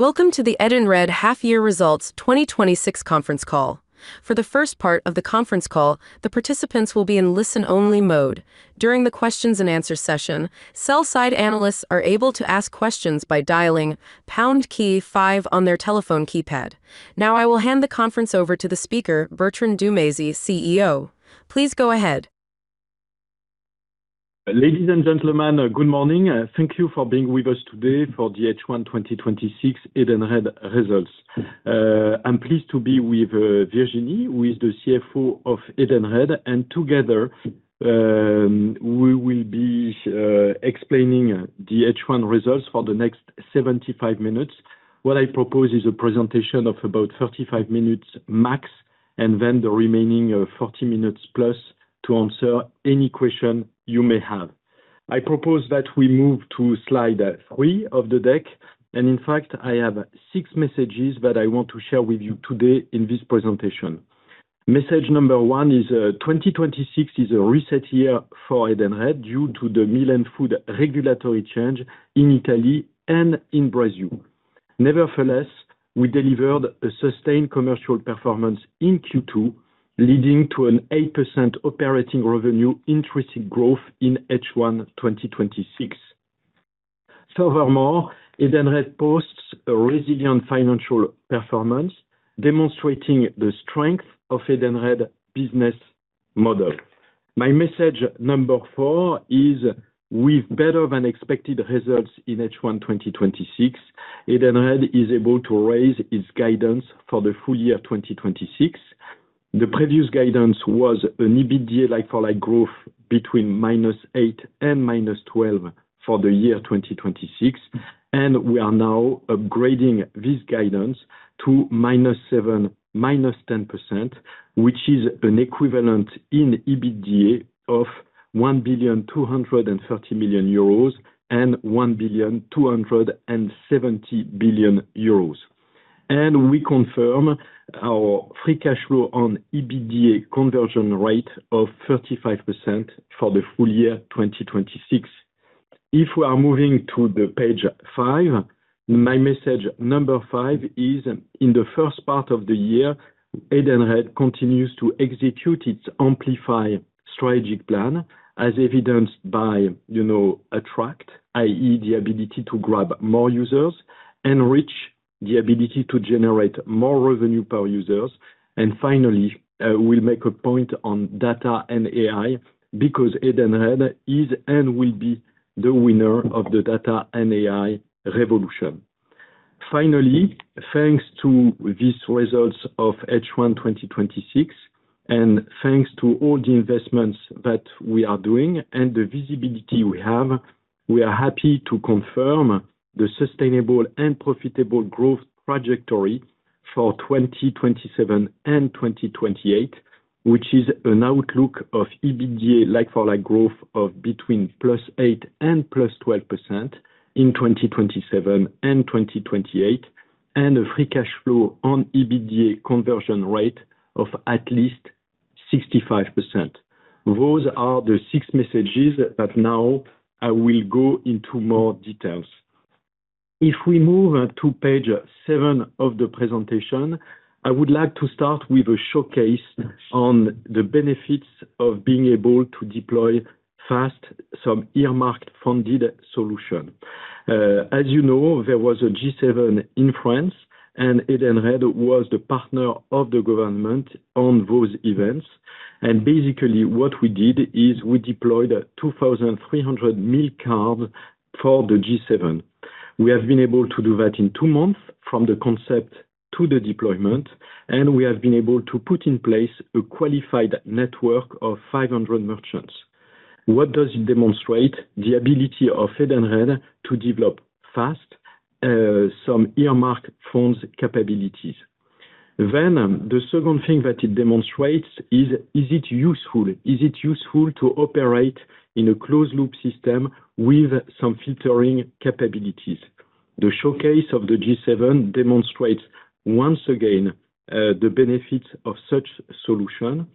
Welcome to the Edenred half-year results 2026 conference call. For the first part of the conference call, the participants will be in listen-only mode. During the questions and answers session, sell-side analysts are able to ask questions by dialing pound key five on their telephone keypad. Now I will hand the conference over to the speaker, Bertrand Dumazy, CEO. Please go ahead. Ladies and gentlemen, good morning. Thank you for being with us today for the H1 2026 Edenred results. I'm pleased to be with Virginie, who is the CFO of Edenred, together, we will be explaining the H1 results for the next 75 minutes. What I propose is a presentation of about 35 minutes max, then the remaining 40 minutes plus to answer any question you may have. I propose that we move to slide three of the deck, in fact, I have six messages that I want to share with you today in this presentation. Message number one is 2026 is a reset year for Edenred due to the meal and food regulatory change in Italy and in Brazil. Nevertheless, we delivered a sustained commercial performance in Q2, leading to an 8% operating revenue intrinsic growth in H1 2026. Furthermore, Edenred posts a resilient financial performance, demonstrating the strength of Edenred business model. My message number four is with better-than-expected results in H1 2026, Edenred is able to raise its guidance for the full year 2026. The previous guidance was an EBITDA like-for-like growth between minus 8% and minus 12% for the year 2026, we are now upgrading this guidance to -7, -10%, which is an equivalent in EBITDA of 1.23 billion and 1.27 billion. We confirm our free cash flow on EBITDA conversion rate of 35% for the full year 2026. If we are moving to the page five, my message number five is, in the first part of the year, Edenred continues to execute its Amplify strategic plan as evidenced by attract, i.e., the ability to grab more users, enrich the ability to generate more revenue per users. Finally, we'll make a point on data and AI because Edenred is and will be the winner of the data and AI revolution. Finally, thanks to these results of H1 2026, thanks to all the investments that we are doing and the visibility we have, we are happy to confirm the sustainable and profitable growth trajectory for 2027 and 2028, which is an outlook of EBITDA like-for-like growth of between plus 8% and plus 12% in 2027 and 2028, a free cash flow on EBITDA conversion rate of at least 65%. Those are the six messages that now I will go into more details. If we move to page seven of the presentation, I would like to start with a showcase on the benefits of being able to deploy fast some earmarked funded solution. As you know, there was a G7 in France, Edenred was the partner of the government on those events. Basically, what we did is we deployed 2,300 meal card for the G7. We have been able to do that in two months from the concept to the deployment, we have been able to put in place a qualified network of 500 merchants. What does it demonstrate? The ability of Edenred to develop fast some earmarked funds capabilities. The second thing that it demonstrates is it useful to operate in a closed-loop system with some filtering capabilities? The showcase of the G7 demonstrates once again the benefit of such solution.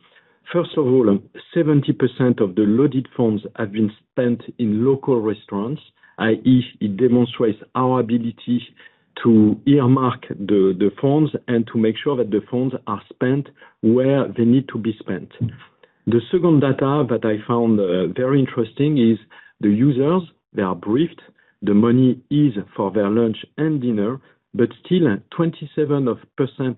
First of all, 70% of the loaded funds have been spent in local restaurants, i.e., it demonstrates our ability to earmark the funds and to make sure that the funds are spent where they need to be spent. The second data that I found very interesting is the users, they are briefed, the money is for their lunch and dinner, but still 27%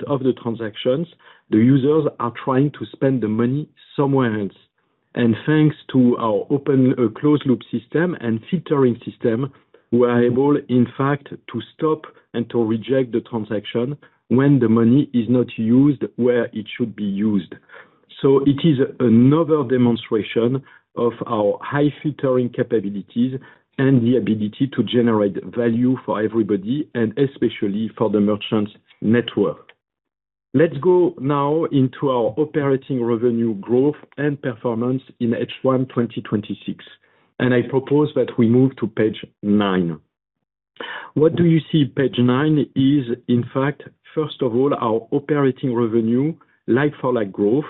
of the transactions, the users are trying to spend the money somewhere else. Thanks to our open closed-loop system and filtering system, we are able, in fact, to stop and to reject the transaction when the money is not used where it should be used. It is another demonstration of our high filtering capabilities and the ability to generate value for everybody, and especially for the merchants network. Let's go now into our operating revenue growth and performance in H1 2026, I propose that we move to page nine. What do you see? Page nine is in fact, first of all, our operating revenue like-for-like growth.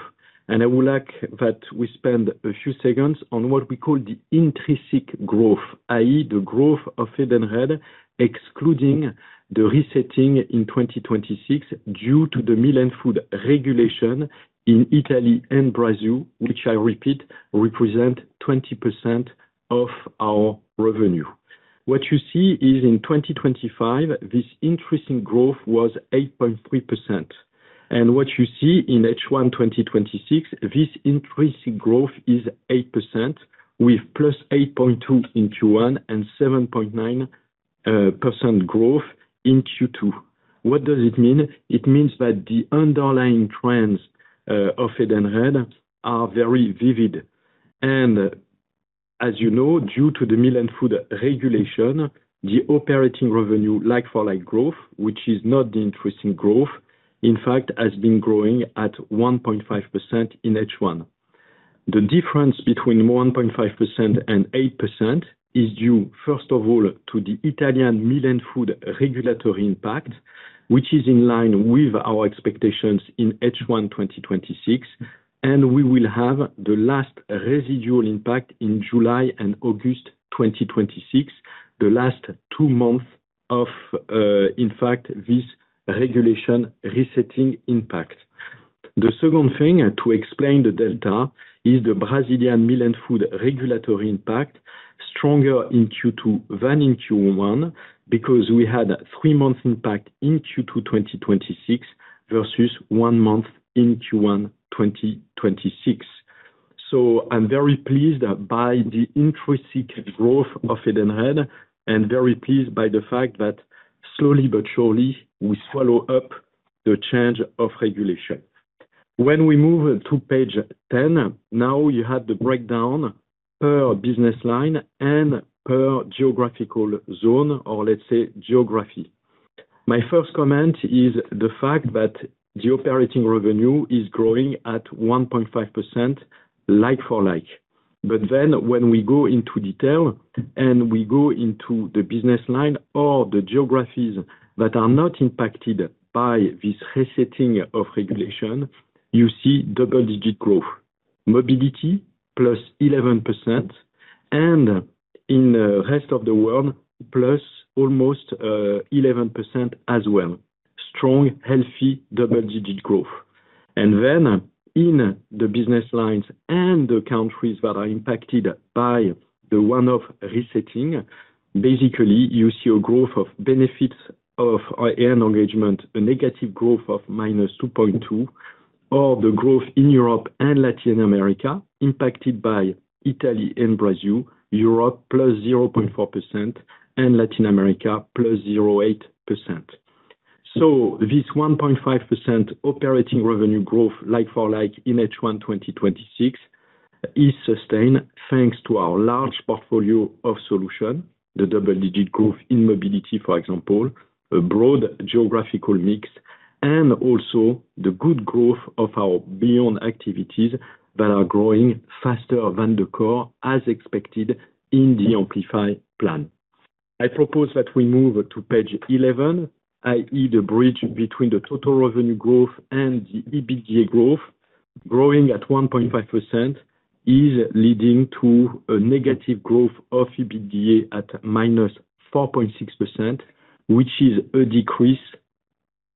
I would like that we spend a few seconds on what we call the intrinsic growth, i.e., the growth of Edenred, excluding the resetting in 2026 due to the meal and food regulation in Italy and Brazil, which I repeat, represent 20% of our revenue. What you see is in 2025, this intrinsic growth was 8.3%. What you see in H1 2026, this intrinsic growth is 8% with +8.2 in Q1 and 7.9% growth in Q2. What does it mean? It means that the underlying trends of Edenred are very vivid. As you know, due to the meal and food regulation, the operating revenue like-for-like growth, which is not the intrinsic growth, in fact, has been growing at 1.5% in H1. The difference between 1.5% and 8% is due, first of all, to the Italian meal and food regulatory impact, which is in line with our expectations in H1 2026, we will have the last residual impact in July and August 2026, the last two months of, in fact, this regulation resetting impact. The second thing to explain the delta is the Brazilian meal and food regulatory impact, stronger in Q2 than in Q1 because we had three months impact in Q2 2026 versus one month in Q1 2026. I'm very pleased by the intrinsic growth of Edenred and very pleased by the fact that slowly but surely we follow up the change of regulation. We move to page 10, you have the breakdown per business line and per geographical zone, or let's say geography. My first comment is the fact that the operating revenue is growing at 1.5% like for like. We go into detail and we go into the business line or the geographies that are not impacted by this resetting of regulation, you see double-digit growth. Mobility +11%, and in the rest of the world, +almost 11% as well. Strong, healthy, double-digit growth. In the business lines and the countries that are impacted by the one-off resetting, basically you see a growth of Benefits & Engagement, a negative growth of -2.2%, or the growth in Europe and Latin America impacted by Italy and Brazil, Europe +0.4%, and Latin America +0.8%. This 1.5% operating revenue growth like for like in H1 2026 is sustained thanks to our large portfolio of solutions, the double-digit growth in Mobility, for example, a broad geographical mix, and also the good growth of our beyond activities that are growing faster than the core as expected in the Amplify plan. I propose that we move to page 11, i.e., the bridge between the total revenue growth and the EBITDA growth. Growing at 1.5% is leading to a negative growth of EBITDA at -4.6%, which is a decrease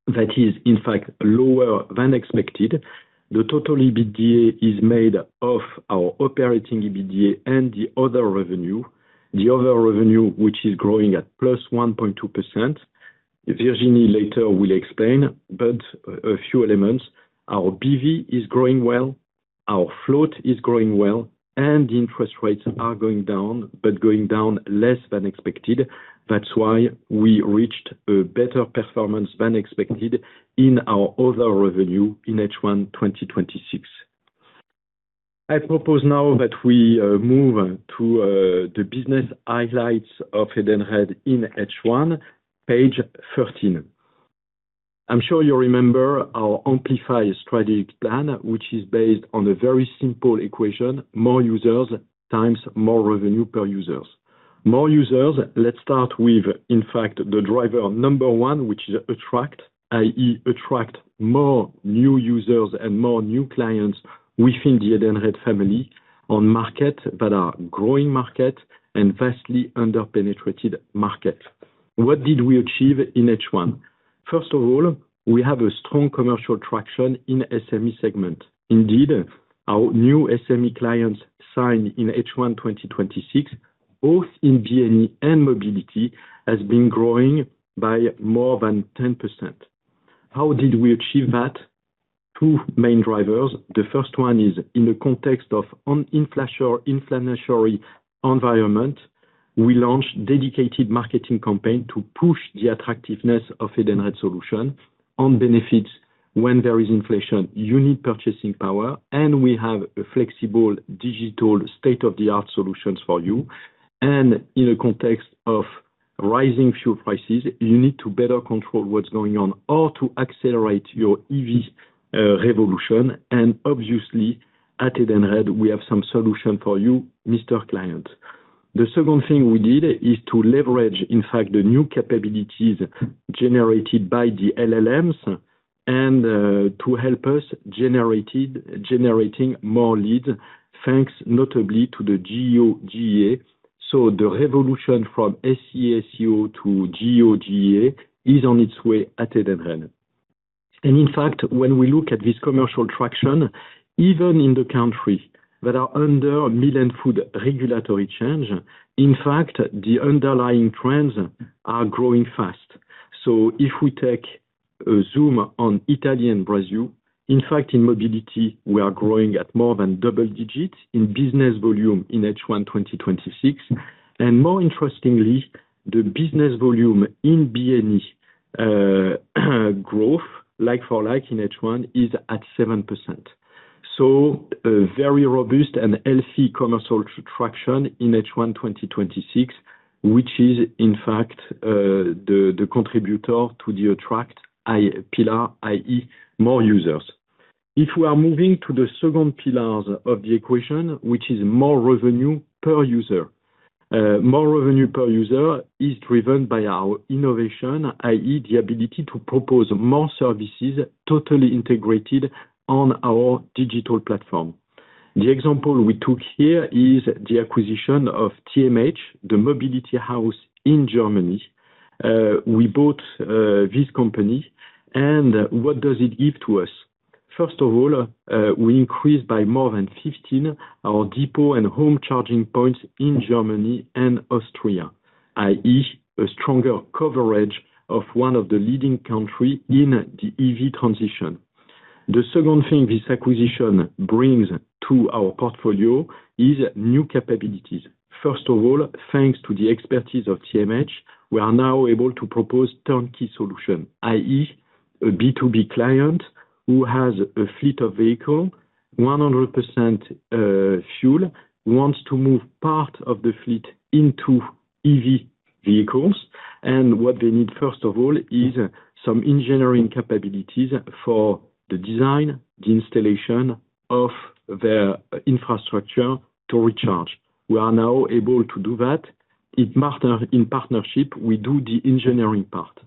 that is in fact lower than expected. The total EBITDA is made of our operating EBITDA and the other revenue. The other revenue, which is growing at +1.2%. Virginie later will explain, but a few elements. Our BV is growing well, our float is growing well, and the interest rates are going down but going down less than expected. That's why we reached a better performance than expected in our other revenue in H1 2026. I propose now that we move to the business highlights of Edenred in H1, page 13. I'm sure you remember our Amplify strategic plan, which is based on a very simple equation, more users times more revenue per users. More users, let's start with, in fact, the driver number one, which is attract, i.e., attract more new users and more new clients within the Edenred family on market that are growing market and vastly under-penetrated market. What did we achieve in H1? First of all, we have a strong commercial traction in SME segment. Indeed, our new SME clients signed in H1 2026, both in B&E and Mobility, has been growing by more than 10%. How did we achieve that? Two main drivers. The first one is in the context of inflationary environment. We launched dedicated marketing campaigns to push the attractiveness of Edenred solutions on benefits. When there is inflation, you need purchasing power, and we have a flexible digital state-of-the-art solutions for you. In a context of rising fuel prices, you need to better control what's going on or to accelerate your EV revolution. At Edenred, we have some solutions for you, Mr. Client. The second thing we did is to leverage, in fact, the new capabilities generated by the LLMs and to help us generating more leads, thanks notably to the GEO. The revolution from SEO to GEO is on its way at Edenred. In fact, when we look at this commercial traction, even in the countries that are under meal and food regulatory change, in fact, the underlying trends are growing fast. If we take a zoom on Italy and Brazil, in fact in Mobility, we are growing at more than double-digits in business volume in H1 2026. More interestingly, the business volume in B&E growth like for like in H1 is at 7%. A very robust and healthy commercial traction in H1 2026, which is in fact the contributor to the attract pillar, i.e. more users. If we are moving to the second pillar of the equation, which is more revenue per user. More revenue per user is driven by our innovation, i.e. the ability to propose more services totally integrated on our digital platform. The example we took here is the acquisition of TMH, The Mobility House in Germany. What does it give to us? First of all, we increased by more than 15 our depot and home charging points in Germany and Austria, i.e. a stronger coverage of one of the leading country in the EV transition. The second thing this acquisition brings to our portfolio is new capabilities. First of all, thanks to the expertise of TMH, we are now able to propose turnkey solution, i.e. a B2B client who has a fleet of vehicle 100% fuel, wants to move part of the fleet into EV vehicles. What they need first of all is some engineering capabilities for the design, the installation of their infrastructure to recharge. We are now able to do that. In partnership, we do the engineering part.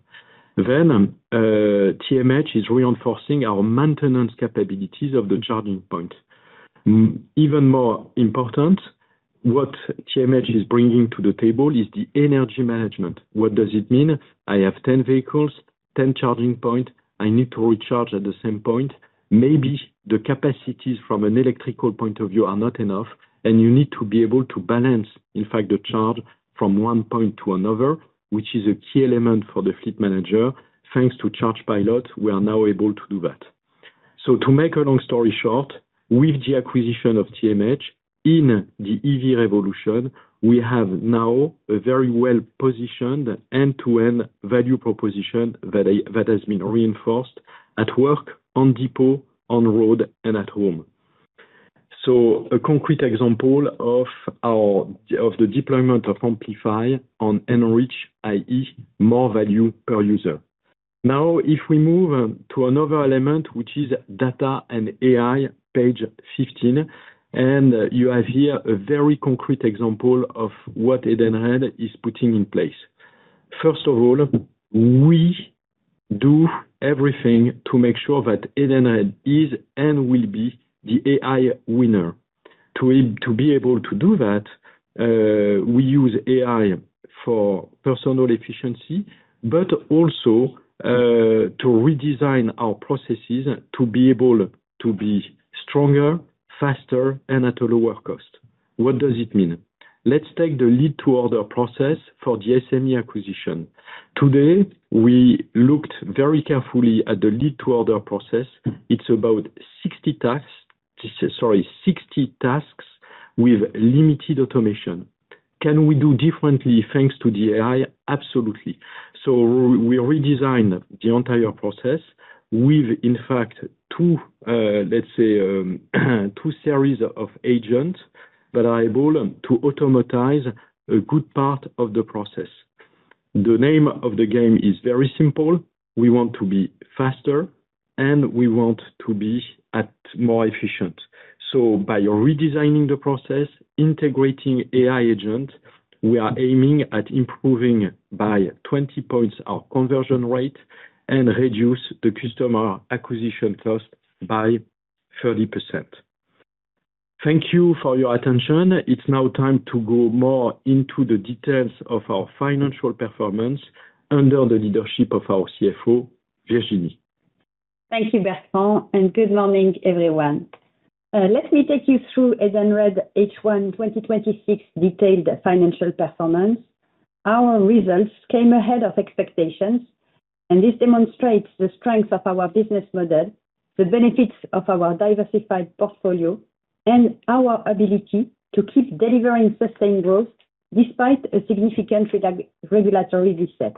TMH is reinforcing our maintenance capabilities of the charging point. Even more important, what TMH is bringing to the table is the energy management. What does it mean? I have 10 vehicles, 10 charging points. I need to recharge at the same point. Maybe the capacities from an electrical point of view are not enough, and you need to be able to balance, in fact, the charge from one point to another, which is a key element for the fleet manager. Thanks to ChargePilot, we are now able to do that. To make a long story short, with the acquisition of TMH in the EV revolution, we have now a very well-positioned end-to-end value proposition that has been reinforced at work, on depot, on road, and at home. A concrete example of the deployment of Amplify on Enrich, i.e. more value per user. Now if we move to another element, which is data and AI, page 15. You have here a very concrete example of what Edenred is putting in place. First of all, we do everything to make sure that Edenred is and will be the AI winner. To be able to do that, we use AI for personal efficiency, but also to redesign our processes to be able to be stronger, faster, and at a lower cost. What does it mean? Let's take the lead to order process for the SME acquisition. Today, we looked very carefully at the lead to order process. It's about 60 tasks with limited automation. Can we do differently thanks to the AI? Absolutely. We redesigned the entire process with, in fact, let's say, two series of Agentic AI that are able to automatize a good part of the process. The name of the game is very simple. We want to be faster, and we want to be more efficient. By redesigning the process, integrating Agentic AI, we are aiming at improving by 20 points our conversion rate and reduce the customer acquisition cost by 30%. Thank you for your attention. It's now time to go more into the details of our financial performance under the leadership of our CFO, Virginie. Thank you, Bertrand, good morning, everyone. Let me take you through Edenred H1 2026 detailed financial performance. Our results came ahead of expectations, this demonstrates the strength of our business model, the benefits of our diversified portfolio, and our ability to keep delivering sustained growth despite a significant regulatory reset.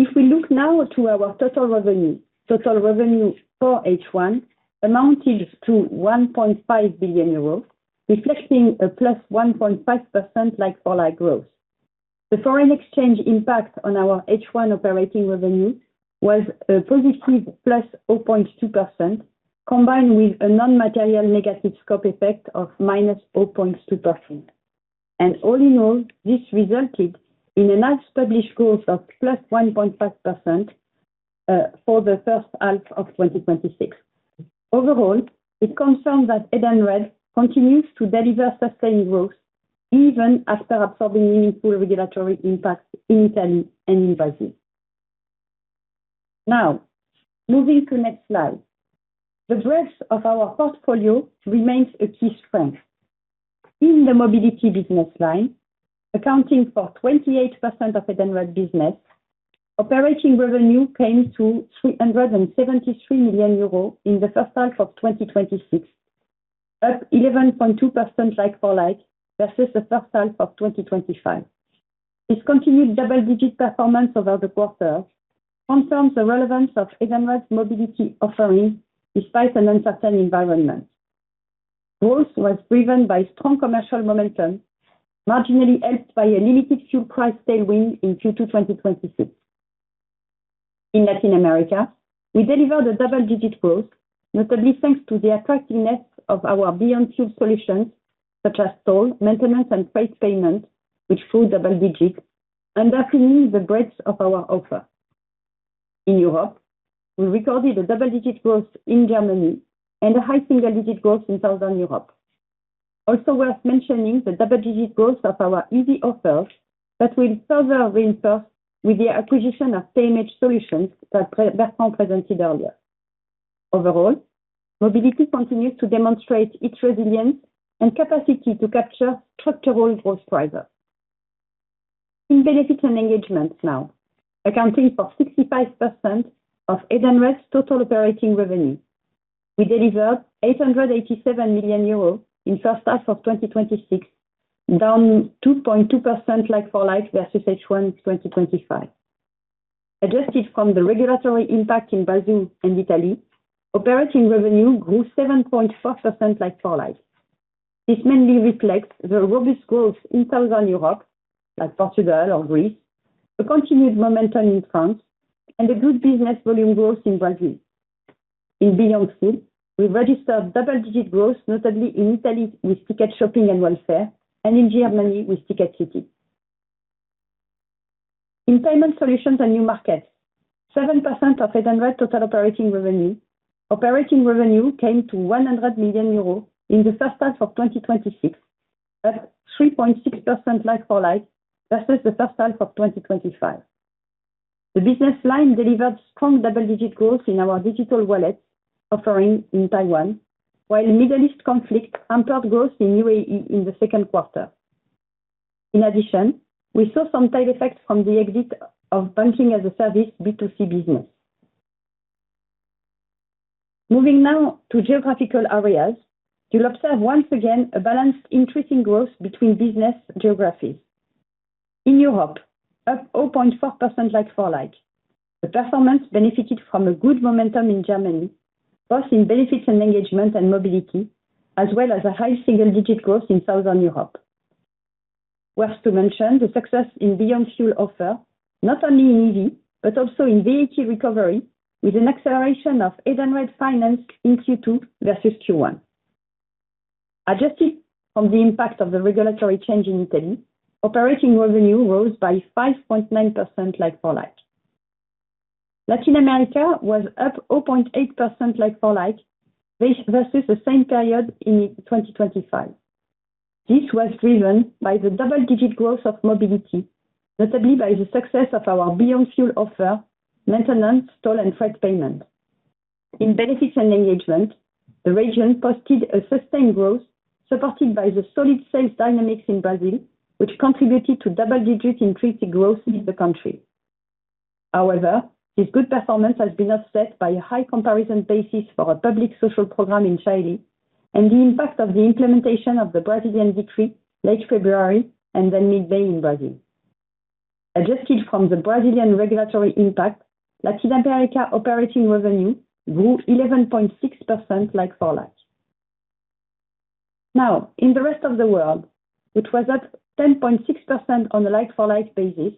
If we look now to our total revenue. Total revenue for H1 amounted to 1.5 billion euros, reflecting a +1.5% like-for-like growth. The foreign exchange impact on our H1 operating revenue was a positive +0.2%, combined with a non-material negative scope effect of -0.2%. All in all, this resulted in a nice published growth of +1.5% for the first half of 2026. Overall, it confirms that Edenred continues to deliver sustained growth even after absorbing meaningful regulatory impact in Italy and in Brazil. Moving to next slide. The breadth of our portfolio remains a key strength. In the Mobility business line, accounting for 28% of Edenred business, operating revenue came to 373 million euros in the first half of 2026, up 11.2% like-for-like versus the first half of 2025. This continued double-digit performance over the quarter confirms the relevance of Edenred's Mobility offering despite an uncertain environment. Growth was driven by strong commercial momentum, marginally helped by a limited fuel price tailwind in Q2 2026. In Latin America, we delivered a double-digit growth, notably thanks to the attractiveness of our beyond fuel solutions such as toll, maintenance, and freight payment, which grew double digits, underlining the breadth of our offer. In Europe, we recorded a double-digit growth in Germany and a high single-digit growth in Southern Europe. Also worth mentioning the double-digit growth of our EV offers that will further reinforce with the acquisition of The Mobility House Solutions that Bertrand presented earlier. Overall, Mobility continues to demonstrate its resilience and capacity to capture structural growth drivers. In Benefits & Engagement now, accounting for 65% of Edenred's total operating revenue, we delivered 887 million euros in first half of 2026, down 2.2% like-for-like versus H1 2025. Adjusted from the regulatory impact in Brazil and Italy, operating revenue grew 7.4% like-for-like. This mainly reflects the robust growth in Southern Europe, like Portugal or Greece, the continued momentum in France, and a good business volume growth in Brazil. In beyond fuel, we registered double-digit growth, notably in Italy with Edenred Shopping and Edenred Welfare, and in Germany with Edenred City. In Payment Solutions & New Markets, 7% of Edenred total operating revenue, operating revenue came to 100 million euros in the first half of 2026. At 3.6% like-for-like versus the first half of 2025. The business line delivered strong double-digit growth in our digital wallet offering in Taiwan, while Middle East conflict hampered growth in UAE in the second quarter. In addition, we saw some tail effects from the exit of BaaS B2C business. Moving now to geographical areas, you'll observe once again a balanced increasing growth between business geographies. In Europe, up 0.4% like-for-like, the performance benefited from a good momentum in Germany, both in Benefits & Engagement and Mobility, as well as a high single-digit growth in Southern Europe. Worth to mention, the success in beyond fuel offer, not only in EV, but also in VAT recovery, with an acceleration of Edenred Finance in Q2 versus Q1. Adjusted from the impact of the regulatory change in Italy, operating revenue rose by 5.9% like-for-like. Latin America was up 0.8% like-for-like versus the same period in 2025. This was driven by the double-digit growth of Mobility, notably by the success of our beyond fuel offer, maintenance, toll, and freight payment. In Benefits & Engagement, the region posted a sustained growth supported by the solid sales dynamics in Brazil, which contributed to double-digit increased growth in the country. However, this good performance has been offset by a high comparison basis for a public social program in Chile and the impact of the implementation of the Brazilian decree late February and then mid-May in Brazil. Adjusted from the Brazilian regulatory impact, Latin America operating revenue grew 11.6% like-for-like. In the rest of the world, it was up 10.6% on a like-for-like basis.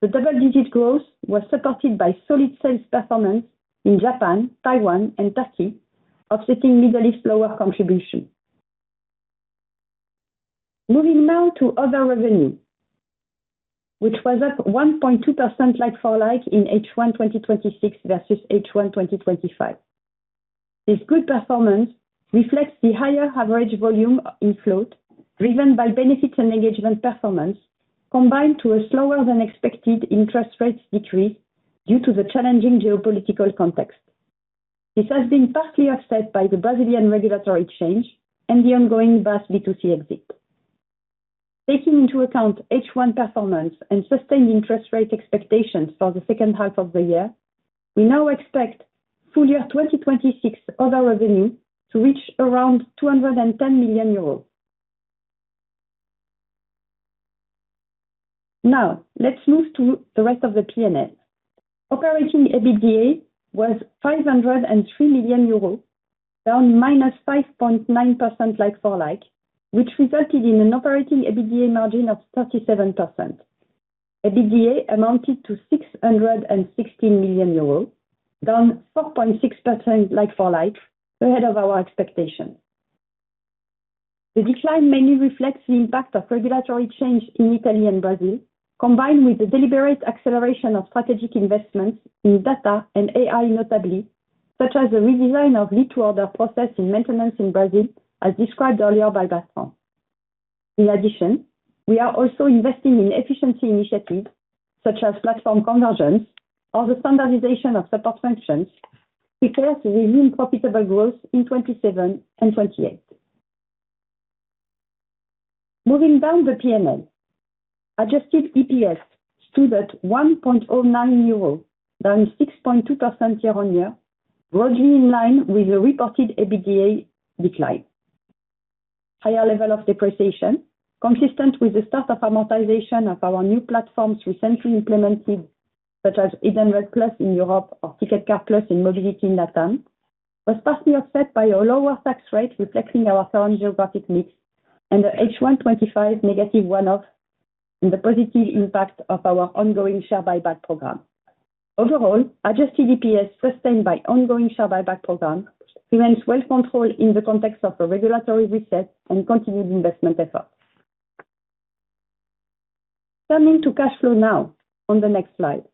The double-digit growth was supported by solid sales performance in Japan, Taiwan, and Turkey, offsetting Middle East lower contribution. Moving now to other revenue, which was up 1.2% like-for-like in H1 2026 versus H1 2025. This good performance reflects the higher average volume in float driven by Benefits & Engagement performance combined to a slower than expected interest rates decrease due to the challenging geopolitical context. This has been partly offset by the Brazilian regulatory change and the ongoing BaaS B2C exit. Taking into account H1 performance and sustained interest rate expectations for the second half of the year, we now expect full year 2026 other revenue to reach around 210 million euros. Let's move to the rest of the P&L. Operating EBITDA was 503 million euros, down -5.9% like-for-like, which resulted in an operating EBITDA margin of 37%. EBITDA amounted to EUR 616 million, down 4.6% like-for-like, ahead of our expectation. The decline mainly reflects the impact of regulatory change in Italy and Brazil, combined with the deliberate acceleration of strategic investments in data and AI notably, such as the redesign of lead to order process in maintenance in Brazil, as described earlier by Bertrand. In addition, we are also investing in efficiency initiatives such as platform convergence or the standardization of support functions, because we mean profitable growth in 2027 and 2028. Moving down the P&L. Adjusted EPS stood at 1.09 euro, down 6.2% year-on-year, broadly in line with the reported EBITDA decline. Higher level of depreciation consistent with the start of amortization of our new platforms recently implemented, such as Edenred+ in Europe or Ticket Car Plus in Mobility in Latam, was partly offset by a lower tax rate reflecting our sound geographic mix, the H1 2025 negative one-off, and the positive impact of our ongoing share buyback program. Overall, adjusted EPS sustained by ongoing share buyback program remains well controlled in the context of a regulatory reset and continued investment efforts. Turning to cash flow now on the next slide.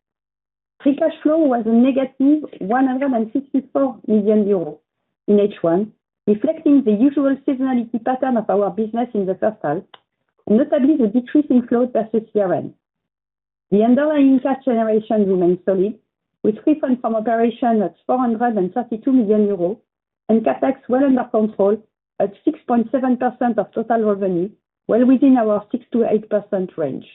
Free cash flow was a negative 164 million euros in H1, reflecting the usual seasonality pattern of our business in the first half, and notably the decrease in flow versus CRM. The underlying cash generation remains solid, with free funds from operation at 432 million euros, and CapEx well under control at 6.7% of total revenue, well within our 6%-8% range.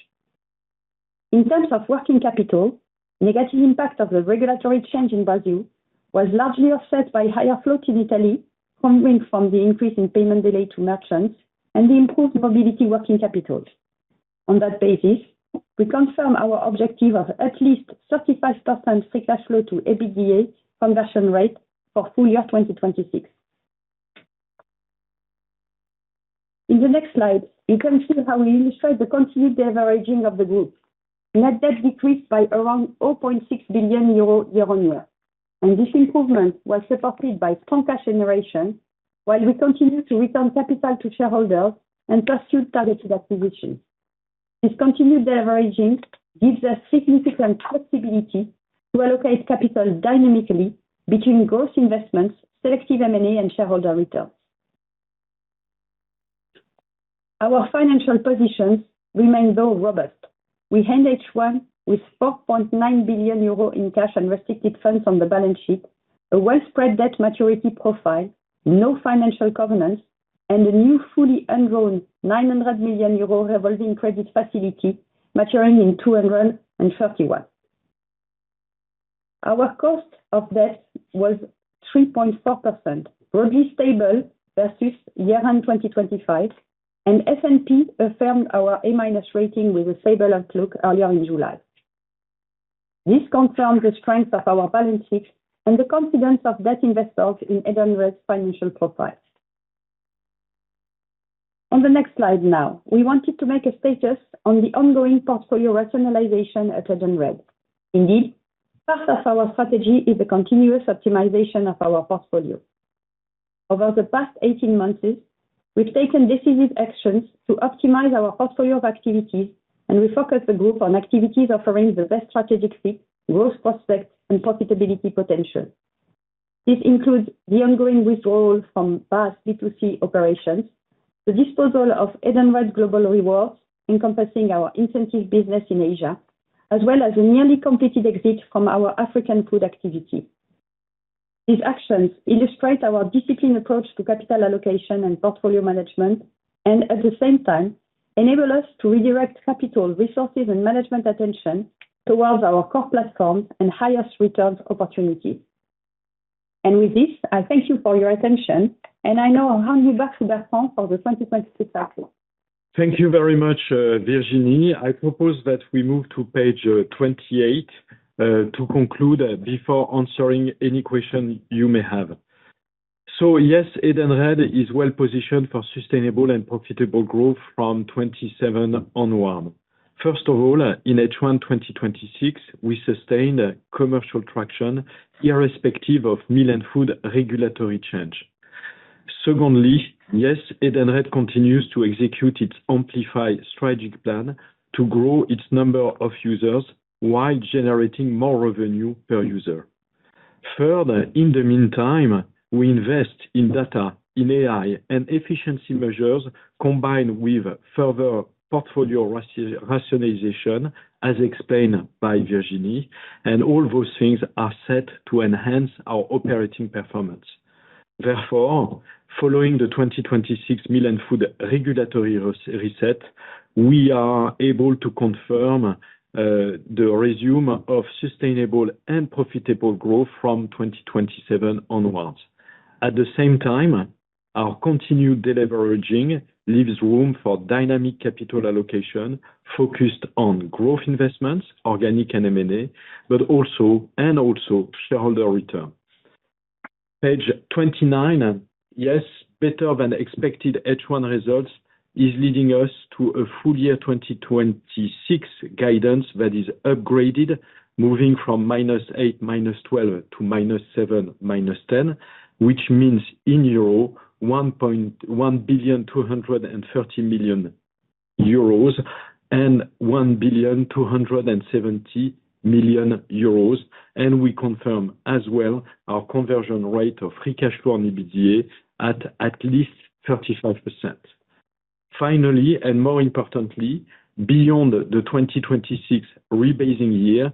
In terms of working capital, negative impact of the regulatory change in Brazil was largely offset by higher flow to Italy coming from the increase in payment delay to merchants and the improved Mobility working capital. On that basis, we confirm our objective of at least 35% free cash flow to EBITDA conversion rate for full year 2026. In the next slide, you can see how we illustrate the continued deleveraging of the group. Net debt decreased by around 0.6 billion euro year-on-year. This improvement was supported by strong cash generation while we continue to return capital to shareholders and pursue targeted acquisitions. This continued deleveraging gives us significant flexibility to allocate capital dynamically between growth investments, selective M&A and shareholder returns. Our financial positions remain, though, robust. We end H1 with 4.9 billion euro in cash and restricted funds on the balance sheet, a well-spread debt maturity profile, no financial covenants, and a new fully undrawn 900 million euro revolving credit facility maturing in 2031. Our cost of debt was 3.4%, broadly stable versus year-end 2025, and S&P affirmed our A-minus rating with a stable outlook earlier in July. This confirms the strength of our balance sheet and the confidence of debt investors in Edenred's financial profile. On the next slide now, we wanted to make a status on the ongoing portfolio rationalization at Edenred. Indeed, part of our strategy is the continuous optimization of our portfolio. Over the past 18 months, we've taken decisive actions to optimize our portfolio of activities. We focus the group on activities offering the best strategic fit, growth prospects, and profitability potential. This includes the ongoing withdrawal from past B2C operations, the disposal of Edenred Global Rewards encompassing our incentive business in Asia, as well as a nearly completed exit from our African food activity. These actions illustrate our disciplined approach to capital allocation and portfolio management. At the same time, enable us to redirect capital resources and management attention towards our core platforms and highest returns opportunities. With this, I thank you for your attention, and I now hand you back to Bertrand for the 2026 outlook. Thank you very much, Virginie. I propose that we move to page 28 to conclude before answering any question you may have. Yes, Edenred is well positioned for sustainable and profitable growth from 2027 onward. First of all, in H1 2026, we sustained commercial traction irrespective of meal and food regulatory change. Secondly, yes, Edenred continues to execute its Amplify strategic plan to grow its number of users while generating more revenue per user. Further, in the meantime, we invest in data, in AI, and efficiency measures combined with further portfolio rationalization, as explained by Virginie, and all those things are set to enhance our operating performance. Therefore, following the 2026 meal and food regulatory reset, we are able to confirm the resume of sustainable and profitable growth from 2027 onwards. At the same time, our continued deleveraging leaves room for dynamic capital allocation focused on growth investments, organic and M&A, and also shareholder return. Page 29. Yes, better than expected H1 results is leading us to a full year 2026 guidance that is upgraded, moving from -8%, -12% to -7%, -10%, which means in euro, 1 billion 230 million and 1 billion 270 million. We confirm as well our conversion rate of free cash flow on EBITDA at at least 35%. Finally, more importantly, beyond the 2026 rebasing year,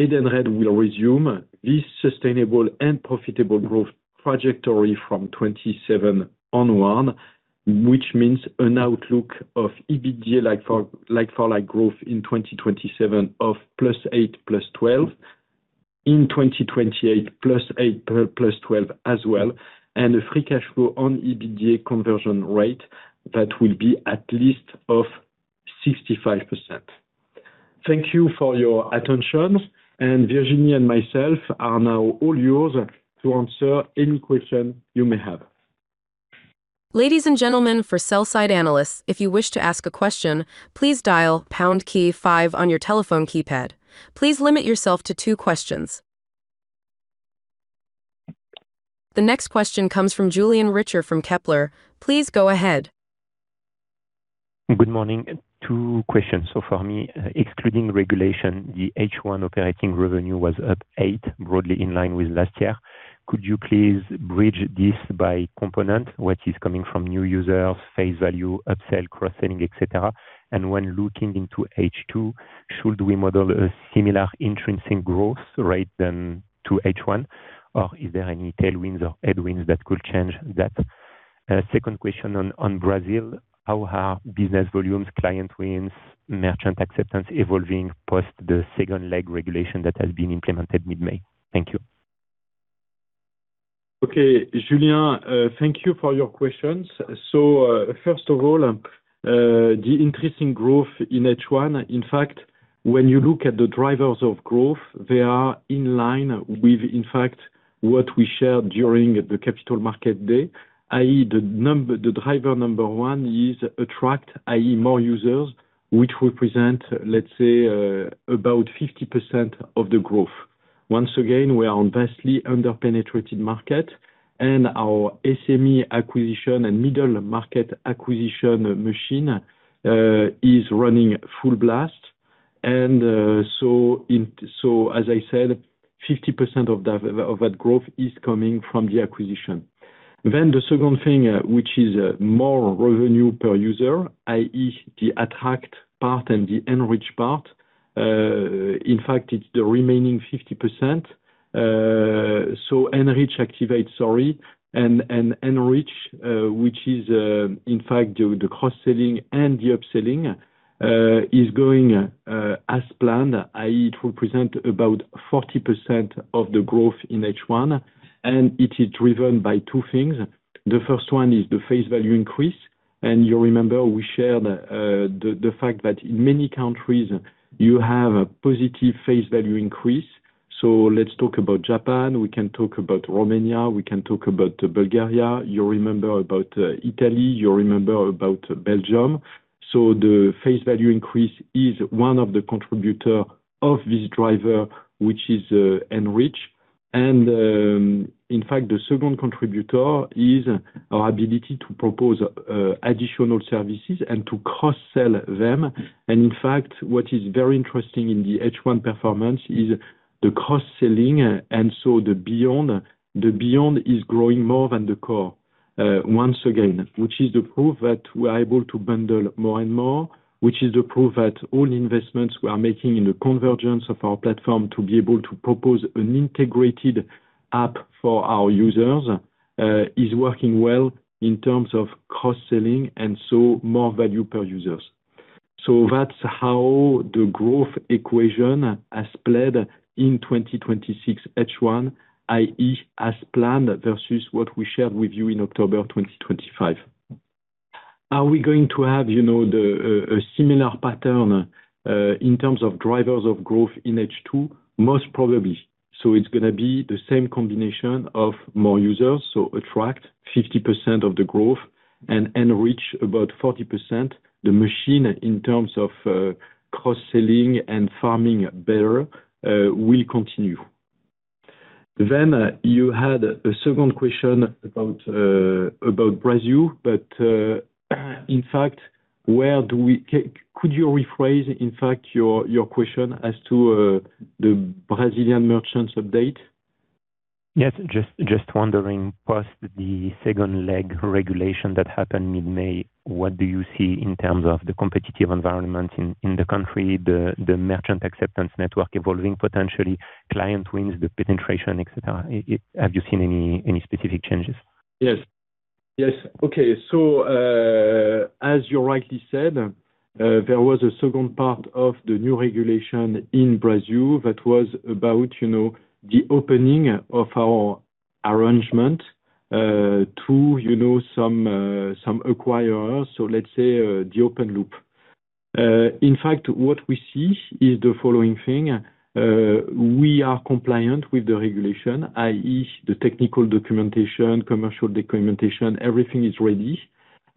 Edenred will resume this sustainable and profitable growth trajectory from 2027 onward, which means an outlook of EBITDA like for like growth in 2027 of +8%, +12%. In 2028, +8%, +12% as well, and a free cash flow on EBITDA conversion rate that will be at least 65%. Thank you for your attention. Virginie and myself are now all yours to answer any question you may have. Ladies and gentlemen, for sell side analysts, if you wish to ask a question, please dial pound key five on your telephone keypad. Please limit yourself to two questions. The next question comes from Julien Richer from Kepler. Please go ahead. Good morning. Two questions. for me, excluding regulation, the H1 operating revenue was up eight, broadly in line with last year. Could you please bridge this by component, what is coming from new users, face value, upsell, cross-selling, et cetera? when looking into H2, should we model a similar intrinsic growth rate than to H1, or is there any tailwinds or headwinds that could change that? Second question on Brazil, how are business volumes, client wins, merchant acceptance evolving post the second leg regulation that has been implemented mid-May? Thank you Julien, thank you for your questions. first of all, the increasing growth in H1, in fact, when you look at the drivers of growth, they are in line with what we shared during the Capital Market Day, i.e. the driver number one is attract, i.e. more users, which represent, let's say, about 50% of the growth. Once again, we are on vastly under-penetrated market, and our SME acquisition and middle market acquisition machine is running full blast. as I said, 50% of that growth is coming from the acquisition. the second thing, which is more revenue per user, i.e. the attract part and the enrich part. In fact, it's the remaining 50%. enrich, activate, sorry, and enrich, which is, in fact, the cross-selling and the upselling, is going as planned, i.e. It will present about 40% of the growth in H1, and it is driven by two things. The first one is the face value increase. And you remember we shared the fact that in many countries, you have a positive face value increase. So let's talk about Japan. We can talk about Romania. We can talk about Bulgaria. You remember about Italy. You remember about Belgium. So the face value increase is one of the contributor of this driver, which is enrich. And, in fact, the second contributor is our ability to propose additional services and to cross-sell them. And in fact, what is very interesting in the H1 performance is the cross-selling, and so the beyond is growing more than the core. Once again, which is the proof that we're able to bundle more and more, which is the proof that all investments we are making in the convergence of our platform to be able to propose an integrated app for our users, is working well in terms of cross-selling, and so more value per users. So that's how the growth equation has played in 2026 H1, i.e. as planned versus what we shared with you in October 2025. Are we going to have a similar pattern in terms of drivers of growth in H2? Most probably. So it's going to be the same combination of more users, so attract 50% of the growth and enrich about 40%. The machine in terms of cross-selling and farming better will continue. Then you had a second question about Brazil, but, in fact, could you rephrase your question as to the Brazilian merchants update? Yes. Just wondering, post the second leg regulation that happened mid-May, what do you see in terms of the competitive environment in the country, the merchant acceptance network evolving potentially, client wins, the penetration, et cetera? Have you seen any specific changes? Yes. Okay. As you rightly said, there was a second part of the new regulation in Brazil that was about the opening of our arrangement to some acquirers. Let's say, the open loop. In fact, what we see is the following thing. We are compliant with the regulation, i.e., the technical documentation, commercial documentation, everything is ready.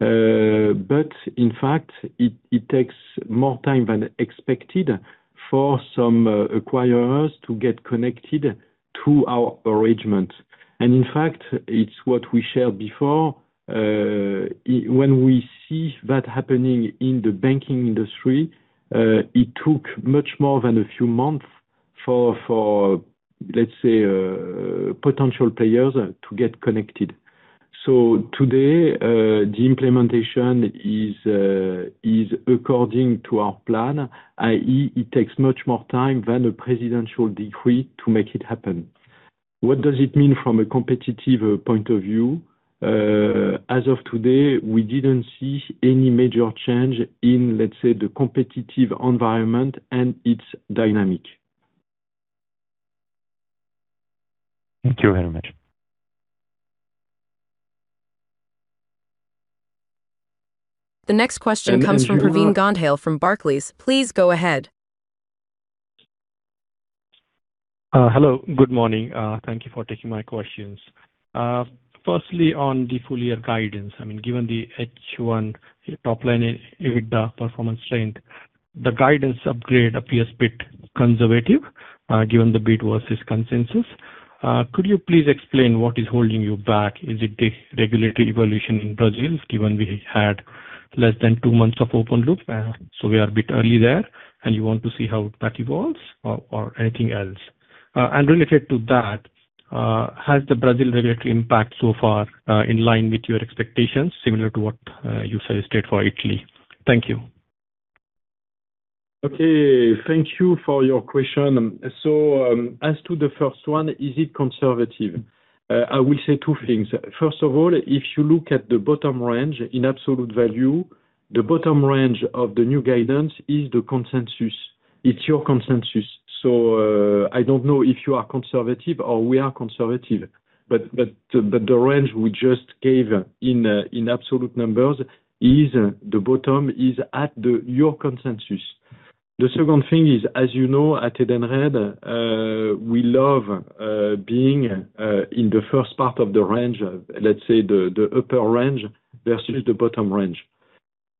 In fact, it takes more time than expected for some acquirers to get connected to our arrangement. In fact, it's what we shared before. When we see that happening in the banking industry, it took much more than a few months for let's say, potential players to get connected. Today, the implementation is according to our plan, i.e., it takes much more time than a presidential decree to make it happen. What does it mean from a competitive point of view? As of today, we didn't see any major change in, let's say, the competitive environment and its dynamic. Thank you very much. The next question comes from Pravin Gondhale from Barclays. Please go ahead. Hello, good morning. Thank you for taking my questions. Firstly, on the full year guidance, given the H1 top line EBITDA performance strength, the guidance upgrade appears a bit conservative, given the beat versus consensus. Could you please explain what is holding you back? Is it the regulatory evolution in Brazil, given we had less than two months of open loop, so we are a bit early there and you want to see how that evolves, or anything else? Related to that, has the Brazil regulatory impact so far, in line with your expectations, similar to what you suggested for Italy? Thank you. Okay, thank you for your question. As to the first one, is it conservative? I will say two things. First of all, if you look at the bottom range in absolute value, the bottom range of the new guidance is the consensus. It's your consensus. I don't know if you are conservative or we are conservative, but the range we just gave in absolute numbers is the bottom is at your consensus. The second thing is, as you know, at Edenred, we love being in the first part of the range, let's say the upper range versus the bottom range.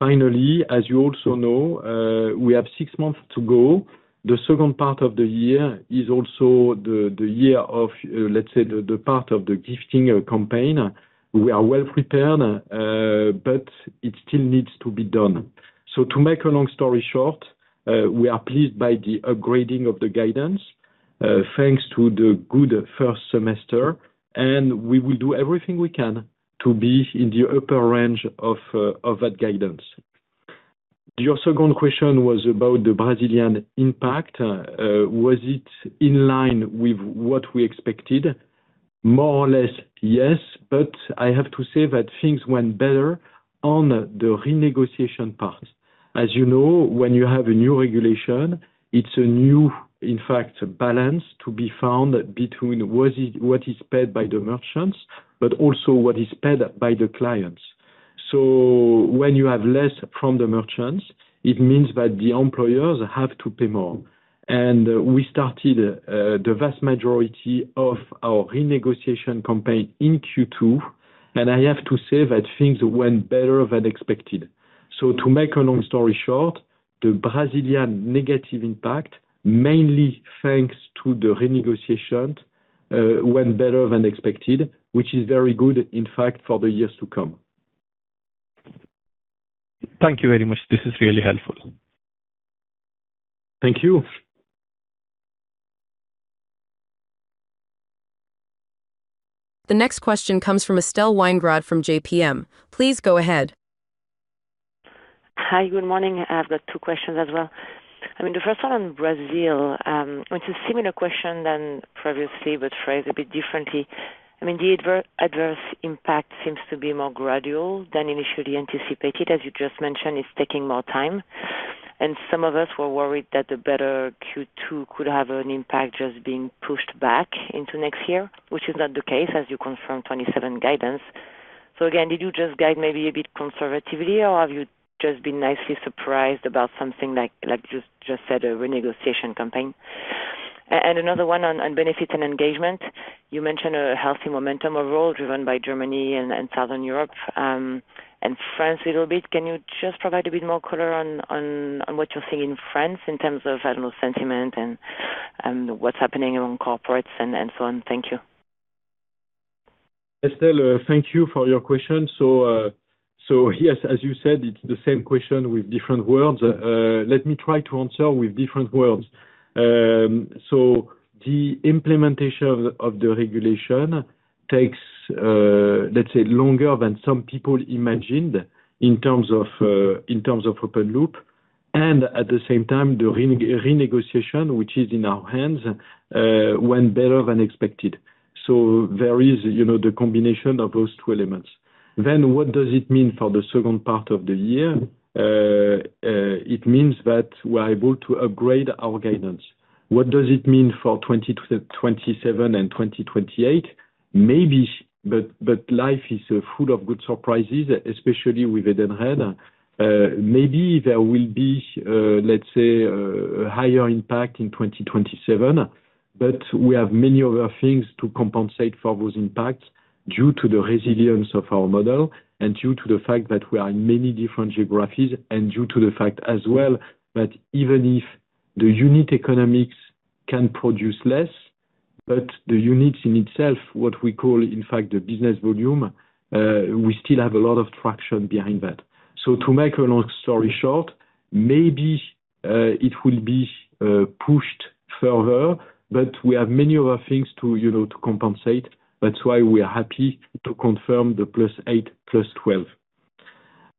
As you also know, we have six months to go. The second part of the year is also the year of, let's say, the part of the gifting campaign. We are well prepared, but it still needs to be done. To make a long story short, we are pleased by the upgrading of the guidance, thanks to the good first semester, and we will do everything we can to be in the upper range of that guidance. Your second question was about the Brazilian impact. Was it in line with what we expected? More or less, yes. I have to say that things went better on the renegotiation part. As you know, when you have a new regulation, it's a new, in fact, balance to be found between what is paid by the merchants, but also what is paid by the clients. When you have less from the merchants, it means that the employers have to pay more. We started the vast majority of our renegotiation campaign in Q2, and I have to say that things went better than expected. To make a long story short, the Brazilian negative impact, mainly thanks to the renegotiation, went better than expected, which is very good, in fact, for the years to come. Thank you very much. This is really helpful. Thank you. The next question comes from Estelle Weingrod from JPM. Please go ahead. Hi, good morning. I've got two questions as well. The first one on Brazil, it's a similar question than previously, but phrased a bit differently. The adverse impact seems to be more gradual than initially anticipated. As you just mentioned, it's taking more time. Some of us were worried that the better Q2 could have an impact just being pushed back into next year, which is not the case as you confirmed 2027 guidance. Again, did you just guide maybe a bit conservatively or have you just been nicely surprised about something like you just said, a renegotiation campaign? Another one on Benefits & Engagement. You mentioned a healthy momentum overall driven by Germany and Southern Europe, and France a little bit. Can you just provide a bit more color on what you're seeing in France in terms of overall sentiment and what's happening among corporates and so on? Thank you. Estelle, thank you for your question. Yes, as you said, it's the same question with different words. Let me try to answer with different words. The implementation of the regulation takes, let's say, longer than some people imagined in terms of open loop. At the same time, the renegotiation, which is in our hands, went better than expected. There is the combination of those two elements. What does it mean for the second part of the year? It means that we're able to upgrade our guidance. What does it mean for 2027 and 2028? Maybe, life is full of good surprises, especially with Edenred. Maybe there will be, let's say, a higher impact in 2027, we have many other things to compensate for those impacts due to the resilience of our model, due to the fact that we are in many different geographies, due to the fact as well that even if the unit economics can produce less, but the unit in itself, what we call, in fact, the Business Volume, we still have a lot of traction behind that. To make a long story short, maybe it will be pushed further, we have many other things to compensate. That's why we are happy to confirm the +8, +12.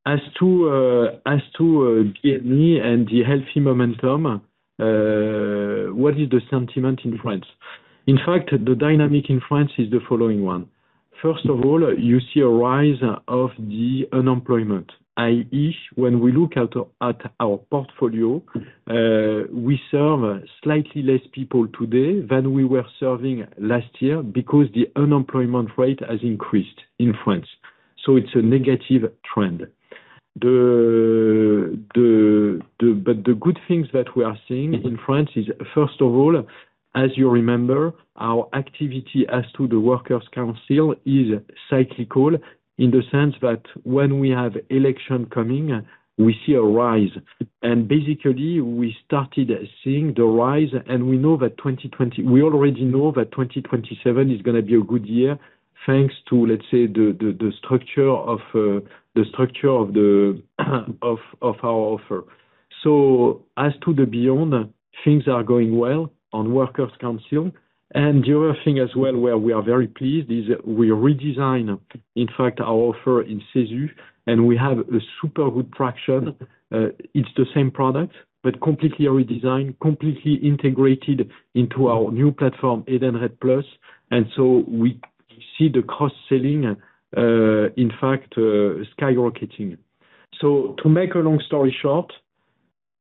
As to the healthy momentum, what is the sentiment in France? In fact, the dynamic in France is the following one. First of all, you see a rise of the unemployment, i.e., when we look at our portfolio, we serve slightly less people today than we were serving last year because the unemployment rate has increased in France. It's a negative trend. The good things that we are seeing in France is, first of all, as you remember, our activity as to the workers council is cyclical in the sense that when we have election coming, we see a rise. Basically, we started seeing the rise, we already know that 2027 is going to be a good year thanks to, let's say, the structure of our offer. As to the beyond, things are going well on workers council. The other thing as well, where we are very pleased is we redesign, in fact, our offer in CESU, and we have a super good traction. It's the same product, but completely redesigned, completely integrated into our new platform, Edenred+. We see the cross-selling, in fact, skyrocketing. To make a long story short,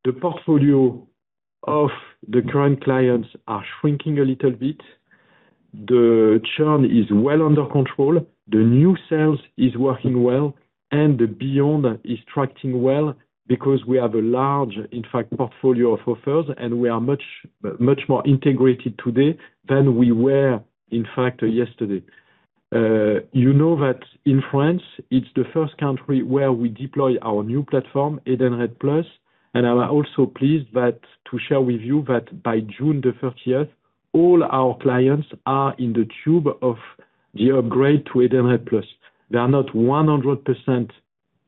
the portfolio of the current clients are shrinking a little bit. The churn is well under control. The new sales is working well, and the beyond is tracking well because we have a large, in fact, portfolio of offers, and we are much more integrated today than we were, in fact, yesterday. You know that in France, it's the first country where we deploy our new platform, Edenred+. I'm also pleased to share with you that by June the 30th, all our clients are in the tube of the upgrade to Edenred+. They are not 100%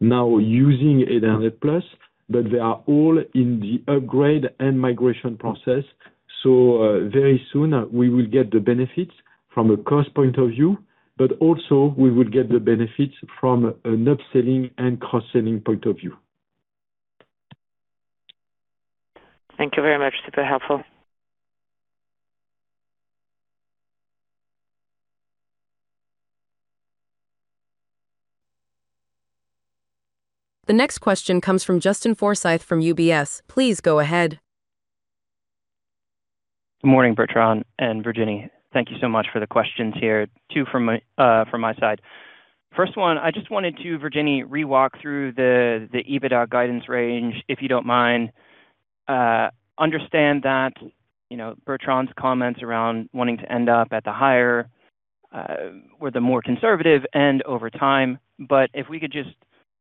now using Edenred+, but they are all in the upgrade and migration process. Very soon we will get the benefits from a cost point of view, but also we will get the benefits from an upselling and cross-selling point of view. Thank you very much. Super helpful. The next question comes from Justin Forsythe from UBS. Please go ahead. Good morning, Bertrand and Virginie. Thank you so much for the questions here. Two from my side. First one, I just wanted to, Virginie, re-walk through the EBITDA guidance range, if you don't mind. Understand that Bertrand's comments around wanting to end up at the higher, or the more conservative, and over time. If we could just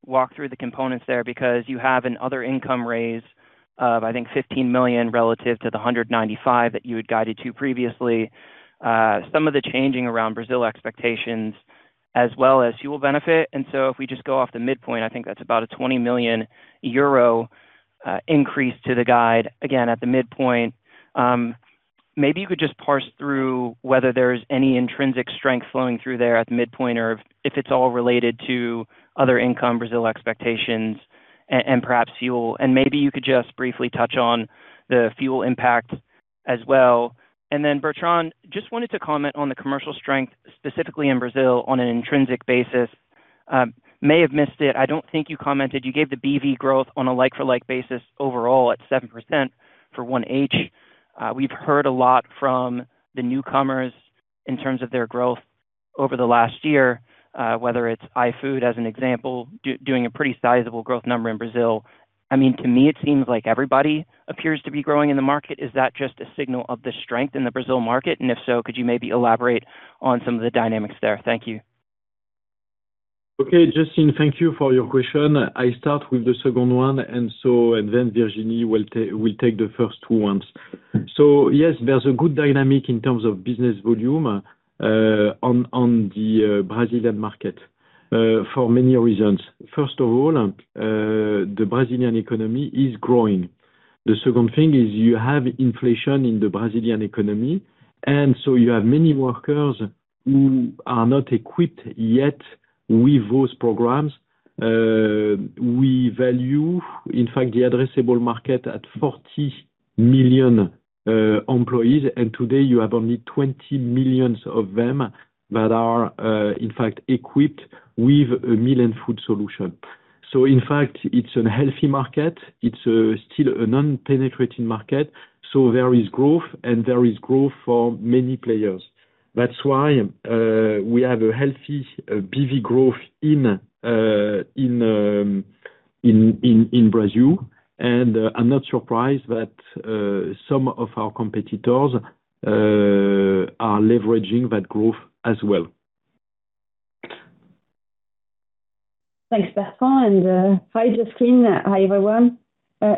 walk through the components there, because you have an other income raise of, I think, 15 million relative to the 195 that you had guided to previously. Some of the changing around Brazil expectations, as well as fuel benefit. If we just go off the midpoint, I think that's about a 20 million euro increase to the guide again at the midpoint. Maybe you could just parse through whether there's any intrinsic strength flowing through there at the midpoint, or if it's all related to other income Brazil expectations and perhaps fuel. Maybe you could just briefly touch on the fuel impact as well. Bertrand, just wanted to comment on the commercial strength, specifically in Brazil on an intrinsic basis. May have missed it. I don't think you commented. You gave the BV growth on a like-for-like basis overall at 7% for one H. We've heard a lot from the newcomers in terms of their growth over the last year, whether it's iFood, as an example, doing a pretty sizable growth number in Brazil. To me, it seems like everybody appears to be growing in the market. Is that just a signal of the strength in the Brazil market? If so, could you maybe elaborate on some of the dynamics there? Thank you. Okay, Justin, thank you for your question. I start with the second one, Virginie will take the first two ones. Yes, there's a good dynamic in terms of business volume on the Brazilian market for many reasons. First of all, the Brazilian economy is growing. The second thing is you have inflation in the Brazilian economy, you have many workers who are not equipped yet with those programs. We value, in fact, the addressable market at 40 million employees, today you have only 20 million of them that are, in fact, equipped with a meal and food solution. In fact, it's a healthy market. It's still a non-penetrating market. There is growth, there is growth for many players. That's why we have a healthy BV growth in Brazil. I'm not surprised that some of our competitors are leveraging that growth as well. Thanks, Bertrand. Hi, Justin. Hi, everyone.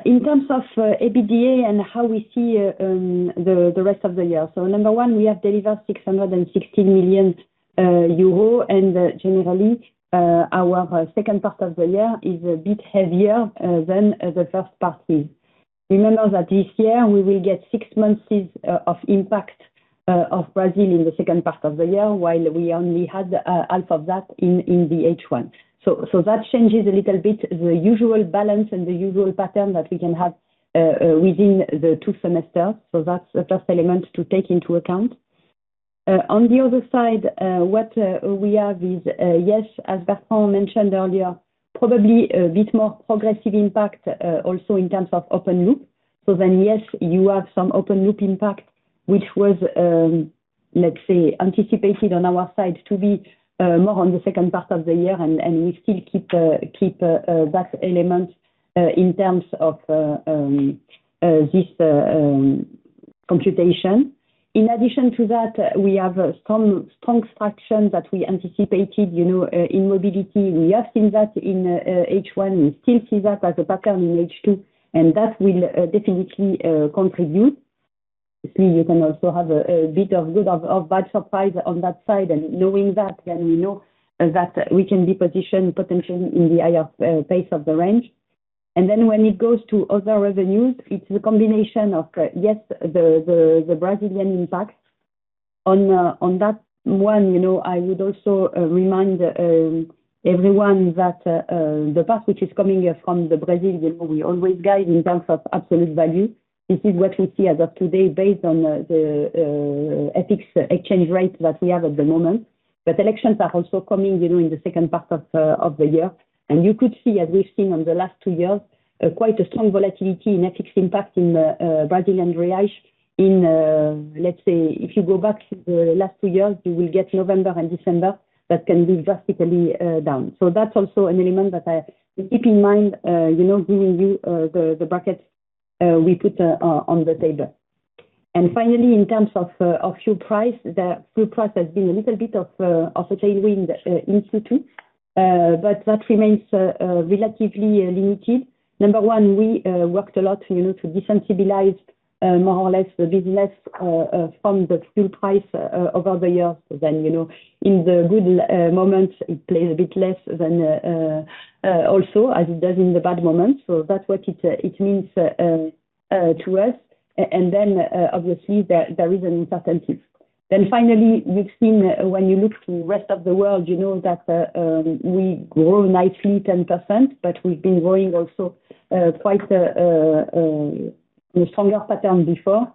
In terms of EBITDA and how we see the rest of the year. Number one, we have delivered 660 million euro and generally, our second part of the year is a bit heavier than the first part is. Remember that this year we will get six months of impact of Brazil in the second part of the year, while we only had half of that in the H1. That changes a little bit, the usual balance and the usual pattern that we can have within the two semesters. That's the first element to take into account. On the other side, what we have is, yes, as Bertrand mentioned earlier, probably a bit more progressive impact also in terms of open loop. Yes, you have some open loop impact, which was, let's say, anticipated on our side to be more on the second part of the year, we still keep that element in terms of this computation. In addition to that, we have a strong traction that we anticipated in Mobility. We have seen that in H1. We still see that as a pattern in H2, that will definitely contribute. You can also have a bit of good of bad surprise on that side. Knowing that, we know that we can be positioned potentially in the higher pace of the range. When it goes to other revenues, it's a combination of, yes, the Brazilian impact. On that one, I would also remind everyone that the part which is coming from the Brazilian, we always guide in terms of absolute value. This is what we see as of today based on the FX exchange rate that we have at the moment. Elections are also coming within the second part of the year. You could see, as we've seen on the last two years, quite a strong volatility in FX impact in Brazilian real. Let's say, if you go back to the last two years, you will get November and December that can be drastically down. That's also an element that I keep in mind viewing the brackets we put on the table. Finally, in terms of fuel price, the fuel price has been a little bit of a tailwind in Q2. That remains relatively limited. Number one, we worked a lot to desensitize more or less the business from the fuel price over the year than in the good moments it plays a bit less than also as it does in the bad moments. That's what it means to us. Then obviously there is an incentive. Finally, we've seen when you look to rest of the world, you know that we grow nicely 10%, but we've been growing also quite a stronger pattern before.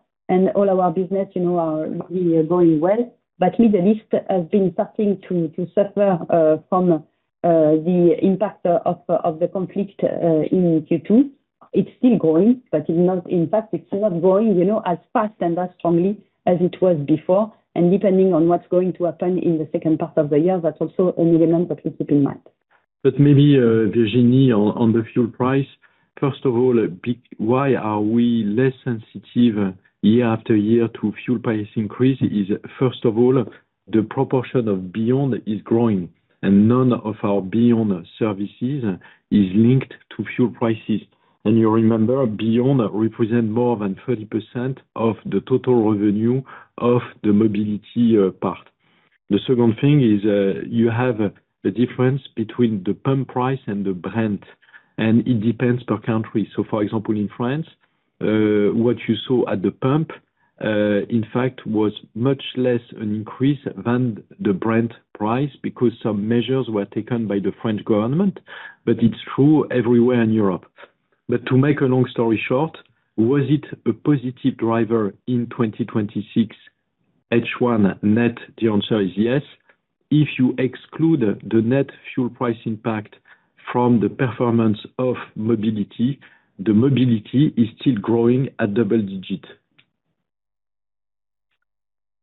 All our business are really going well. Middle East has been starting to suffer from the impact of the conflict in Q2. It's still growing, but in fact, it's not growing as fast and as strongly as it was before. Depending on what's going to happen in the second part of the year, that's also an element that we keep in mind. Maybe, Virginie, on the fuel price, first of all, why are we less sensitive year after year to fuel price increase is first of all, the proportion of Beyond is growing, and none of our Beyond services is linked to fuel prices. You remember, Beyond represent more than 30% of the total revenue of the Mobility part. The second thing is you have the difference between the pump price and the brand, and it depends per country. For example, in France, what you saw at the pump, in fact, was much less an increase than the brand price because some measures were taken by the French government. It's true everywhere in Europe. To make a long story short, was it a positive driver in 2026 H1 net? The answer is yes. If you exclude the net fuel price impact from the performance of Mobility, the Mobility is still growing at double digit.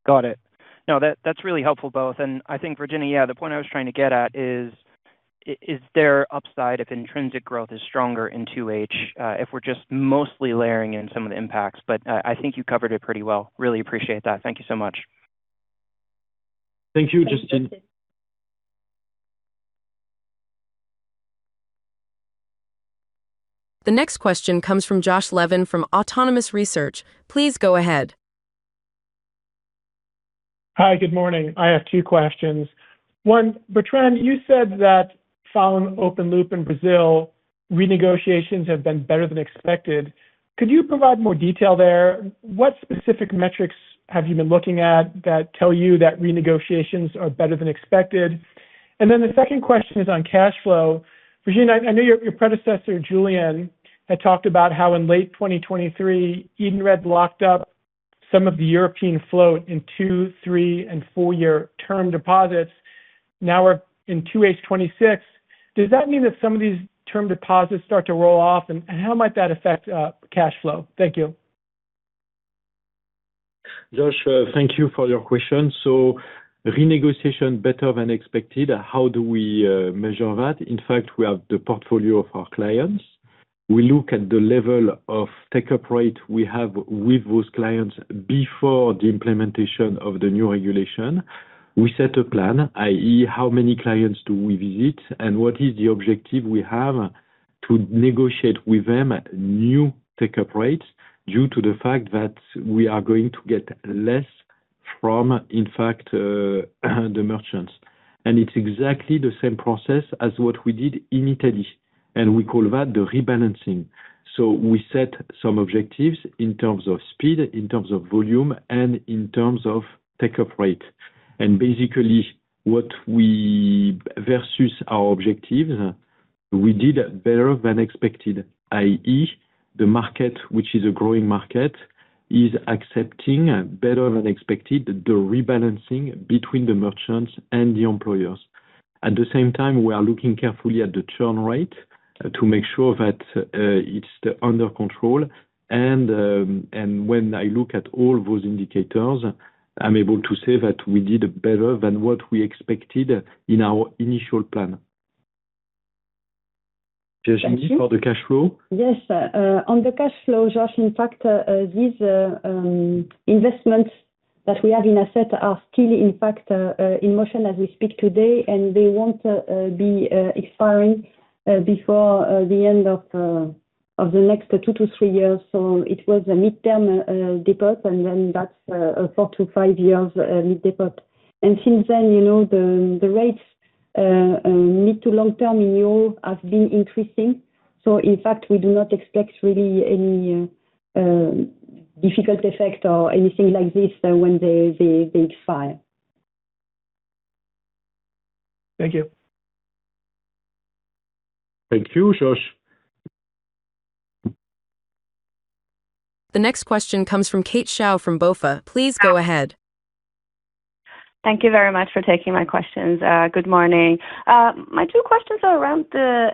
Got it. No, that's really helpful, both. I think, Virginie, yeah, the point I was trying to get at is there upside if intrinsic growth is stronger in 2H if we're just mostly layering in some of the impacts? I think you covered it pretty well. Really appreciate that. Thank you so much. Thank you, Justin. Thanks, Justin. The next question comes from Josh Levin from Autonomous Research. Please go ahead. Hi, good morning. I have two questions. One, Bertrand, you said that following Open Loop in Brazil, renegotiations have been better than expected. Could you provide more detail there? What specific metrics have you been looking at that tell you that renegotiations are better than expected? The second question is on cash flow. Virginie, I know your predecessor, Julien, had talked about how in late 2023, Edenred locked up some of the European float in two, three, and four-year term deposits. Now we're in 2H 2026. Does that mean that some of these term deposits start to roll off? How might that affect cash flow? Thank you. Josh, thank you for your question. Renegotiation better than expected. How do we measure that? In fact, we have the portfolio of our clients. We look at the level of take-up rate we have with those clients before the implementation of the new regulation. We set a plan, i.e., how many clients do we visit, and what is the objective we have to negotiate with them at new take-up rates due to the fact that we are going to get less from, in fact, the merchants. It's exactly the same process as what we did in Italy, and we call that the rebalancing. We set some objectives in terms of speed, in terms of volume, and in terms of take-up rate. Basically, versus our objective, we did better than expected, i.e., the market, which is a growing market, is accepting better than expected the rebalancing between the merchants and the employers. At the same time, we are looking carefully at the churn rate to make sure that it's under control and when I look at all those indicators, I'm able to say that we did better than what we expected in our initial plan. Virginie, for the cash flow. Yes. On the cash flow, Josh, in fact, these investments that we have in asset are still in fact in motion as we speak today, and they won't be expiring before the end of the next two to three years. It was a midterm deposit, and then that's a four to five years mid deposit. Since then, the rates, mid to long-term in EUR have been increasing. In fact, we do not expect really any difficult effect or anything like this when they expire. Thank you. Thank you, Josh. The next question comes from Kate Xiao from BofA. Please go ahead. Thank you very much for taking my questions. Good morning. My two questions are around the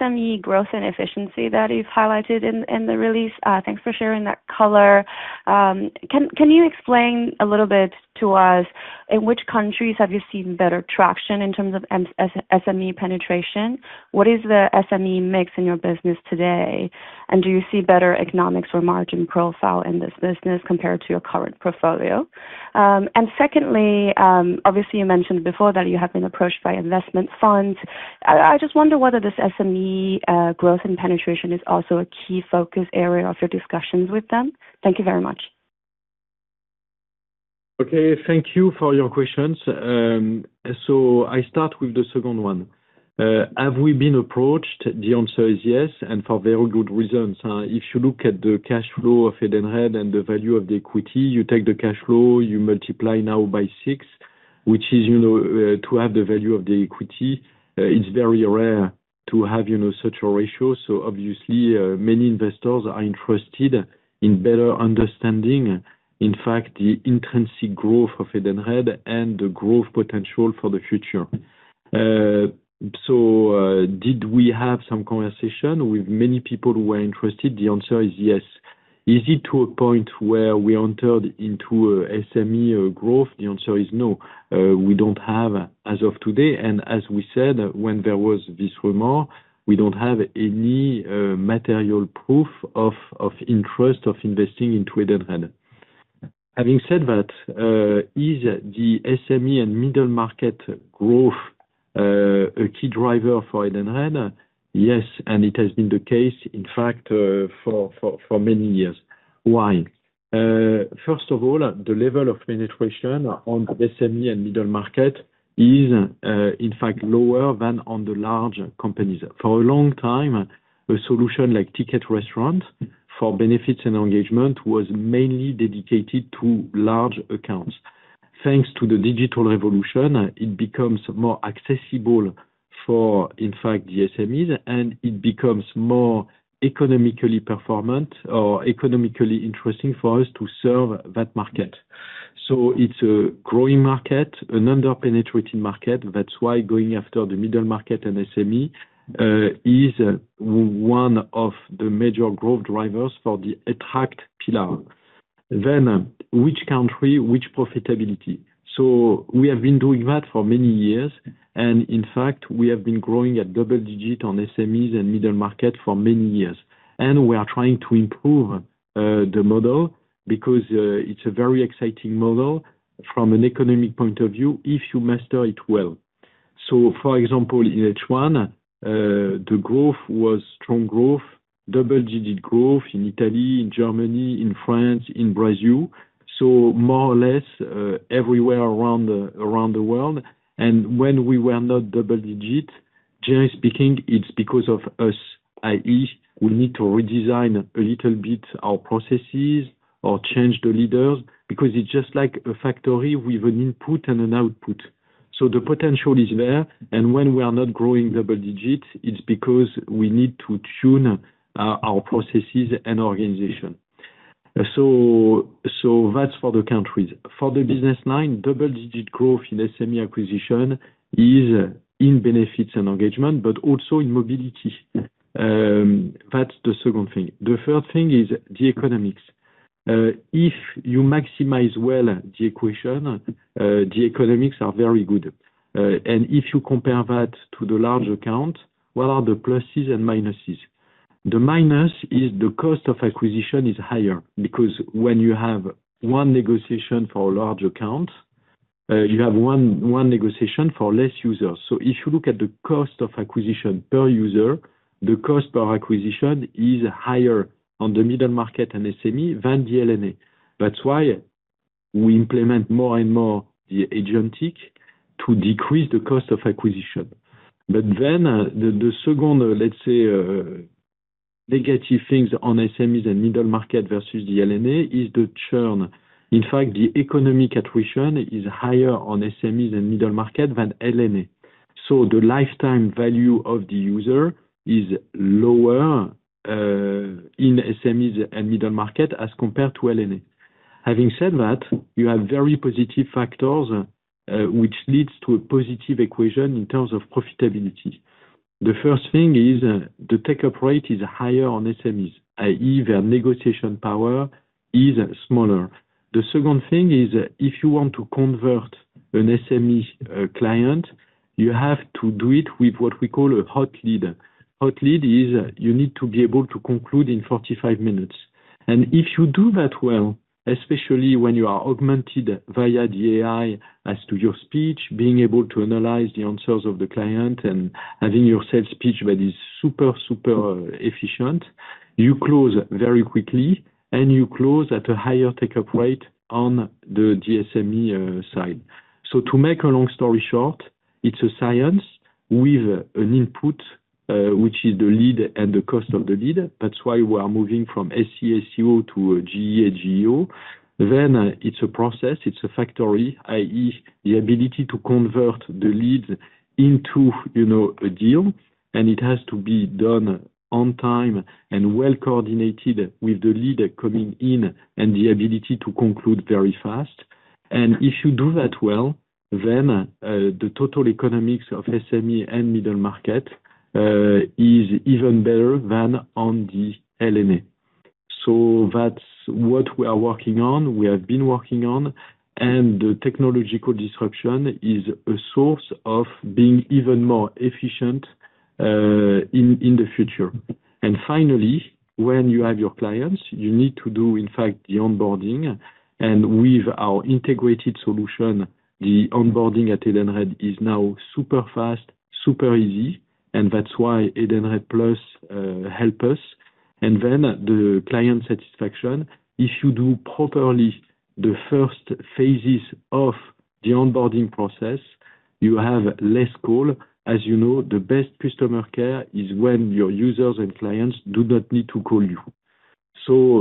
SME growth and efficiency that you've highlighted in the release. Thanks for sharing that color. Can you explain a little bit to us in which countries have you seen better traction in terms of SME penetration? What is the SME mix in your business today? Do you see better economics or margin profile in this business compared to your current portfolio? Secondly, obviously, you mentioned before that you have been approached by investment funds. I just wonder whether this SME growth and penetration is also a key focus area of your discussions with them. Thank you very much. Thank you for your questions. I start with the second one. Have we been approached? The answer is yes, and for very good reasons. If you look at the cash flow of Edenred and the value of the equity, you take the cash flow, you multiply now by six, which is to have the value of the equity. It's very rare to have such a ratio. Obviously, many investors are interested in better understanding, in fact, the intrinsic growth of Edenred and the growth potential for the future. Did we have some conversation with many people who were interested? The answer is yes. Is it to a point where we entered into SME growth? The answer is no. We don't have, as of today, and as we said, when there was this rumor, we don't have any material proof of interest of investing into Edenred. Having said that, is the SME and middle market growth a key driver for Edenred? Yes. It has been the case, in fact, for many years. Why? First of all, the level of penetration on the SME and middle market is, in fact, lower than on the large companies. For a long time, a solution like Ticket Restaurant for Benefits & Engagement was mainly dedicated to large accounts. Thanks to the digital revolution, it becomes more accessible for, in fact, the SMEs, and it becomes more economically performant or economically interesting for us to serve that market. It's a growing market, an under-penetrated market. That's why going after the middle market and SME is one of the major growth drivers for the attract pillar. Which country, which profitability? We have been doing that for many years, and in fact, we have been growing at double-digit on SMEs and middle market for many years. We are trying to improve the model because it's a very exciting model from an economic point of view, if you master it well. For example, in H1, the growth was strong growth, double-digit growth in Italy, in Germany, in France, in Brazil, more or less everywhere around the world. And when we were not double-digit, generally speaking, it's because of us, i.e., we need to redesign a little bit our processes or change the leaders, because it's just like a factory with an input and an output. The potential is there, and when we are not growing double-digit, it's because we need to tune our processes and organization. That's for the countries. For the business line, double-digit growth in SME acquisition is in Benefits & Engagement, but also in Mobility. That's the second thing. The third thing is the economics. If you maximize well the equation, the economics are very good. If you compare that to the large account, what are the pluses and minuses? The minus is the cost of acquisition is higher, because when you have one negotiation for a large account, you have one negotiation for less users. If you look at the cost of acquisition per user, the cost per acquisition is higher on the middle market and SME than the LNE. That's why we implement more and more the Agentic to decrease the cost of acquisition. The second, let's say, negative things on SMEs and middle market versus the LNE is the churn. In fact, the economic attrition is higher on SMEs and middle market than LNE. The lifetime value of the user is lower in SMEs and middle market as compared to LNE. Having said that, you have very positive factors, which leads to a positive equation in terms of profitability. The first thing is the take-up rate is higher on SMEs, i.e., their negotiation power is smaller. The second thing is, if you want to convert an SME client, you have to do it with what we call a hot lead. Hot lead is you need to be able to conclude in 45 minutes. If you do that well, especially when you are augmented via the AI as to your speech, being able to analyze the answers of the client and having your sales pitch that is super efficient, you close very quickly, and you close at a higher take-up rate on the SME side. To make a long story short, it's a science with an input, which is the lead and the cost of the lead. That's why we are moving from SCCO to a GEO. It's a process, it's a factory, i.e., the ability to convert the leads into a deal, and it has to be done on time and well coordinated with the lead coming in and the ability to conclude very fast. If you do that well, then the total economics of SME and middle market is even better than on the LNE. That's what we are working on, we have been working on, the technological disruption is a source of being even more efficient in the future. Finally, when you have your clients, you need to do, in fact, the onboarding. With our integrated solution, the onboarding at Edenred is now super fast, super easy, and that's why Edenred+ help us. The client satisfaction. If you do properly the first phases of the onboarding process, you have less call. As you know, the best customer care is when your users and clients do not need to call you.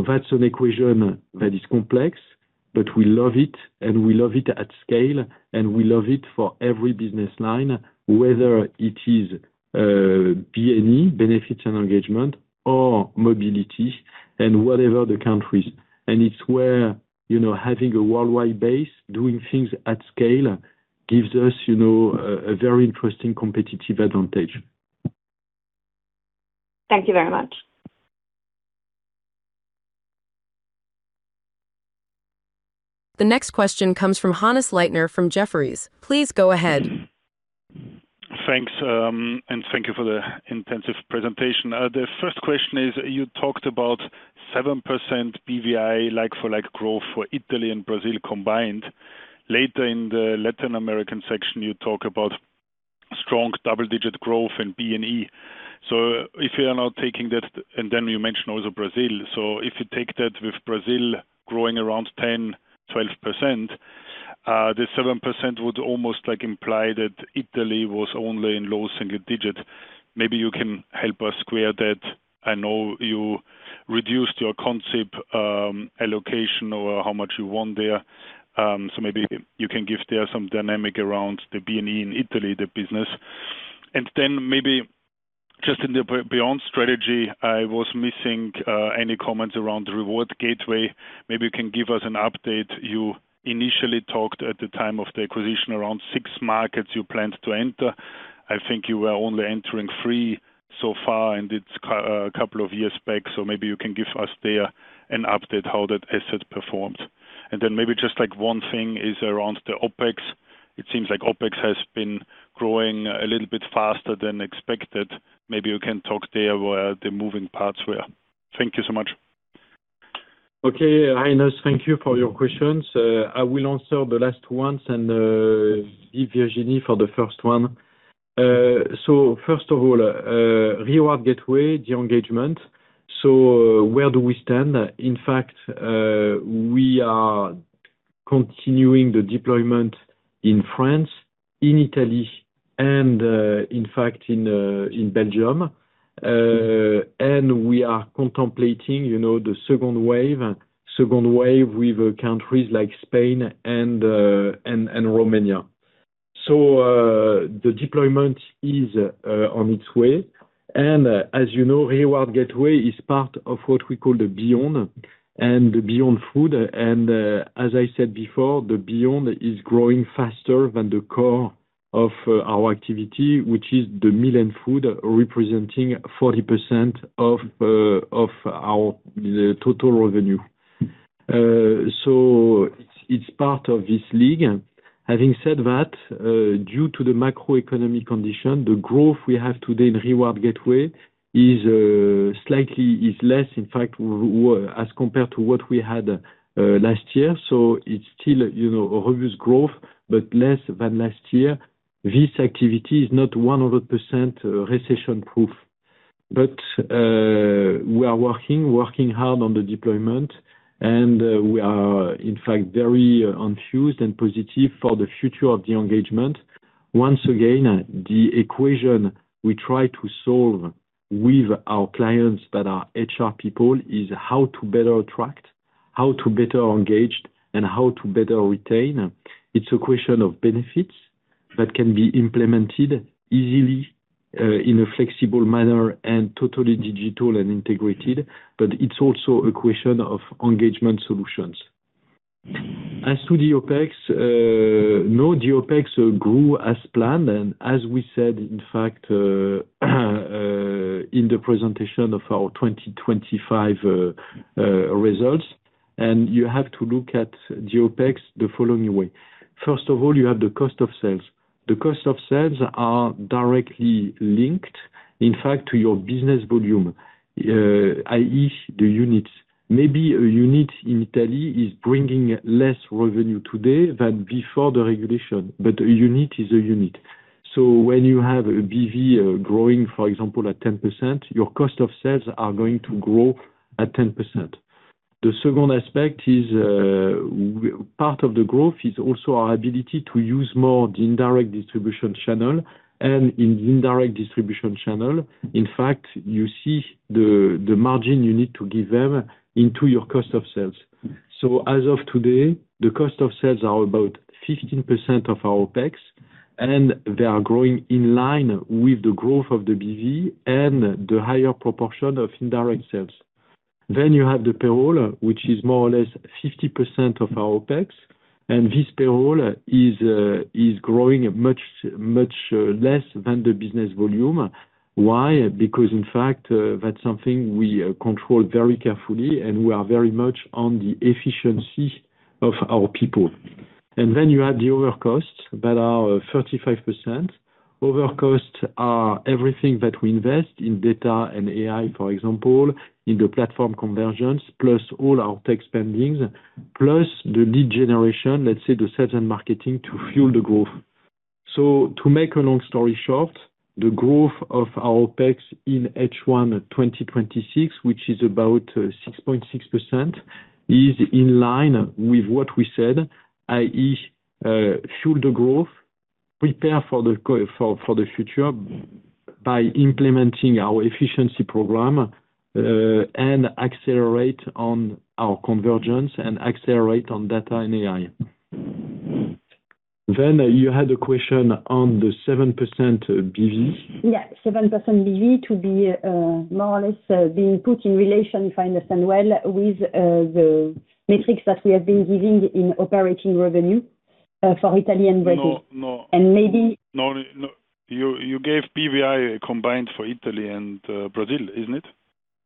That's an equation that is complex, but we love it, and we love it at scale, and we love it for every business line, whether it is B&E, Benefits & Engagement, or Mobility and whatever the countries. It's where having a worldwide base, doing things at scale gives us a very interesting competitive advantage. Thank you very much. The next question comes from Hannes Leitner from Jefferies. Please go ahead. Thanks, and thank you for the intensive presentation. The first question is, you talked about 7% BV like-for-like growth for Italy and Brazil combined. If you are now taking that, and then you mentioned also Brazil, so if you take that with Brazil growing around 10%-12%, the 7% would almost imply that Italy was only in low single digit. Maybe you can help us square that. I know you reduced your concept allocation or how much you want there. Maybe you can give there some dynamic around the B&E in Italy, the business. Maybe just in the beyond strategy, I was missing any comments around Reward Gateway. Maybe you can give us an update. You initially talked at the time of the acquisition around six markets you planned to enter. I think you were only entering three so far, and it's a couple of years back, so maybe you can give us there an update how that asset performed. Maybe just one thing is around the OpEx. It seems like OpEx has been growing a little bit faster than expected. Maybe you can talk there where the moving parts were. Thank you so much. Okay, Hannes, thank you for your questions. I will answer the last ones and leave Virginie for the first one. First of all, Reward Gateway, the engagement. Where do we stand? In fact, we are continuing the deployment in France, in Italy, and in fact, in Belgium. We are contemplating the second wave with countries like Spain and Romania. The deployment is on its way. As you know, Reward Gateway is part of what we call the Beyond and the Beyond Food. As I said before, the Beyond is growing faster than the core of our activity, which is the meal and food, representing 40% of our total revenue. It's part of this league. Having said that, due to the macroeconomic condition, the growth we have today in Reward Gateway is less, in fact, as compared to what we had last year. It's still obvious growth, but less than last year. This activity is not 100% recession-proof. We are working hard on the deployment, and we are, in fact, very enthused and positive for the future of the engagement. Once again, the equation we try to solve with our clients that are HR people is how to better attract, how to better engage, and how to better retain. It's a question of benefits that can be implemented easily, in a flexible manner and totally digital and integrated, but it's also a question of engagement solutions. As to the OpEx, no, the OpEx grew as planned, and as we said, in fact, in the presentation of our 2025 results. You have to look at the OpEx the following way. First of all, you have the cost of sales. The cost of sales are directly linked, in fact, to your business volume, i.e., the units. Maybe a unit in Italy is bringing less revenue today than before the regulation, but a unit is a unit. When you have a BV growing, for example, at 10%, your cost of sales are going to grow at 10%. The second aspect is part of the growth is also our ability to use more the indirect distribution channel. In the indirect distribution channel, in fact, you see the margin you need to give them into your cost of sales. As of today, the cost of sales are about 15% of our OpEx, and they are growing in line with the growth of the BV and the higher proportion of indirect sales. You have the payroll, which is more or less 50% of our OpEx. This payroll is growing much less than the business volume. Why? Because, in fact, that's something we control very carefully, and we are very much on the efficiency of our people. You add the other costs that are 35%. Other costs are everything that we invest in data and AI, for example, in the platform conversions, plus all our tech spendings, plus the lead generation, let's say, the sales and marketing to fuel the growth. To make a long story short, the growth of our OpEx in H1 2026, which is about 6.6%, is in line with what we said, i.e., fuel the growth, prepare for the future by implementing our efficiency program, and accelerate on our convergence and accelerate on data and AI. You had a question on the 7% BV. Yeah, 7% BV to be more or less being put in relation, if I understand well, with the metrics that we have been giving in operating revenue for Italy and Brazil. No. And maybe No. You gave BV combined for Italy and Brazil, isn't it?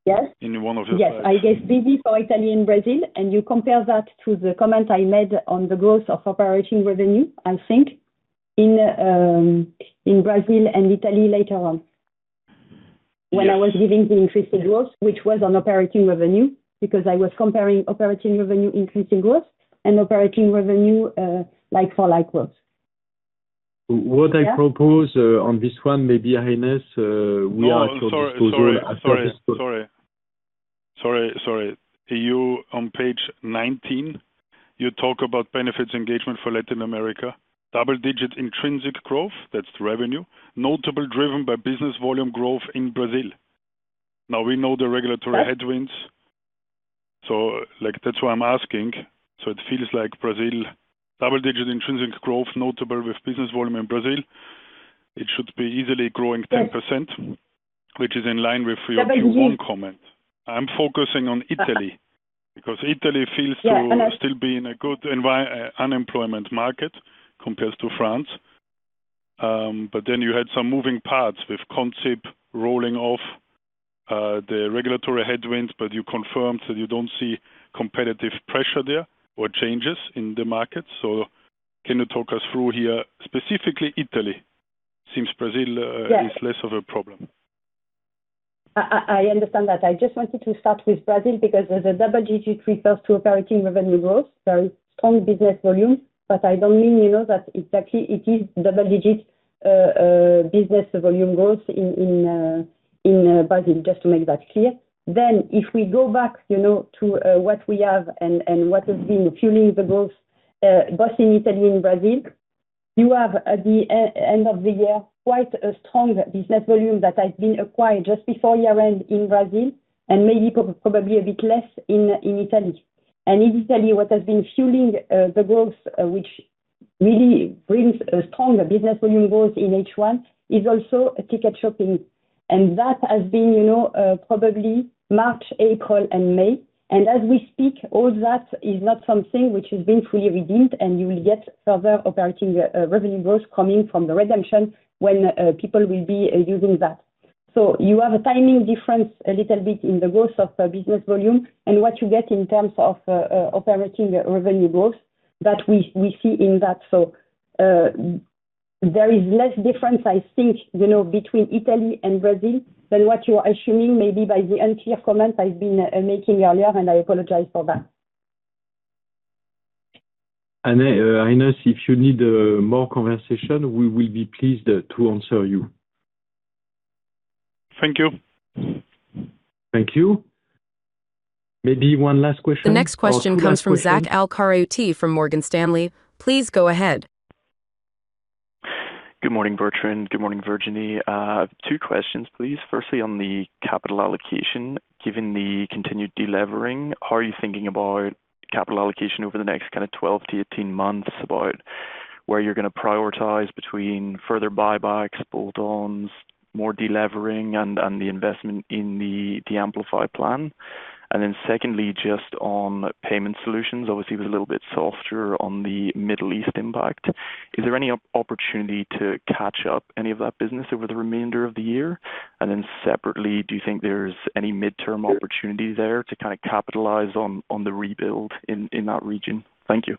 Yes. In one of your slides. Yes, I gave BV for Italy and Brazil, you compare that to the comment I made on the growth of operating revenue, I think, in Brazil and Italy later on. Yes. When I was giving the intrinsic growth, which was on operating revenue, because I was comparing operating revenue intrinsic growth and operating revenue like for like growth. What I propose on this one, maybe, Hannes. Sorry. You, on page 19, you talk about Benefits & Engagement for Latin America. Double-digit intrinsic growth, that's the revenue, notable driven by Business Volume growth in Brazil. We know the regulatory headwinds, that's why I'm asking. It feels like Brazil double-digit intrinsic growth notable with Business Volume in Brazil. It should be easily growing 10%, which is in line with your Q1 comment. I'm focusing on Italy because Italy feels to still be in a good unemployment market compared to France. You had some moving parts with concept rolling off the regulatory headwinds, you confirmed that you don't see competitive pressure there or changes in the market. Can you talk us through here, specifically Italy? Seems Brazil is less of a problem. I understand that. I just wanted to start with Brazil because the double-digit refers to operating revenue growth, very strong business volume. I don't mean that exactly it is double-digit business volume growth in Brazil, just to make that clear. If we go back to what we have and what has been fueling the growth, both in Italy and Brazil, you have at the end of the year, quite a strong business volume that has been acquired just before year-end in Brazil, and maybe probably a bit less in Italy. In Italy, what has been fueling the growth, which really brings a strong business volume growth in H1 is also Edenred Shopping. That has been probably March, April, and May. As we speak, all that is not something which has been fully redeemed, and you will get further operating revenue growth coming from the redemption when people will be using that. You have a timing difference a little bit in the growth of the business volume and what you get in terms of operating revenue growth that we see in that. There is less difference, I think, between Italy and Brazil than what you are assuming maybe by the unclear comments I've been making earlier, and I apologize for that. Hannes, if you need more conversation, we will be pleased to answer you. Thank you. Thank you. Maybe one last question or two last questions. The next question comes from Zach Al-Qaryooti from Morgan Stanley. Please go ahead. Good morning, Bertrand. Good morning, Virginie. Two questions, please. Firstly, on the capital allocation, given the continued de-levering, how are you thinking about capital allocation over the next kind of 12 to 18 months about where you're going to prioritize between further buybacks, bolt-ons, more de-levering, and the investment in the Amplify plan? Secondly, just on payment solutions, obviously it was a little bit softer on the Middle East impact. Is there any opportunity to catch up any of that business over the remainder of the year? Separately, do you think there's any midterm opportunity there to kind of capitalize on the rebuild in that region? Thank you.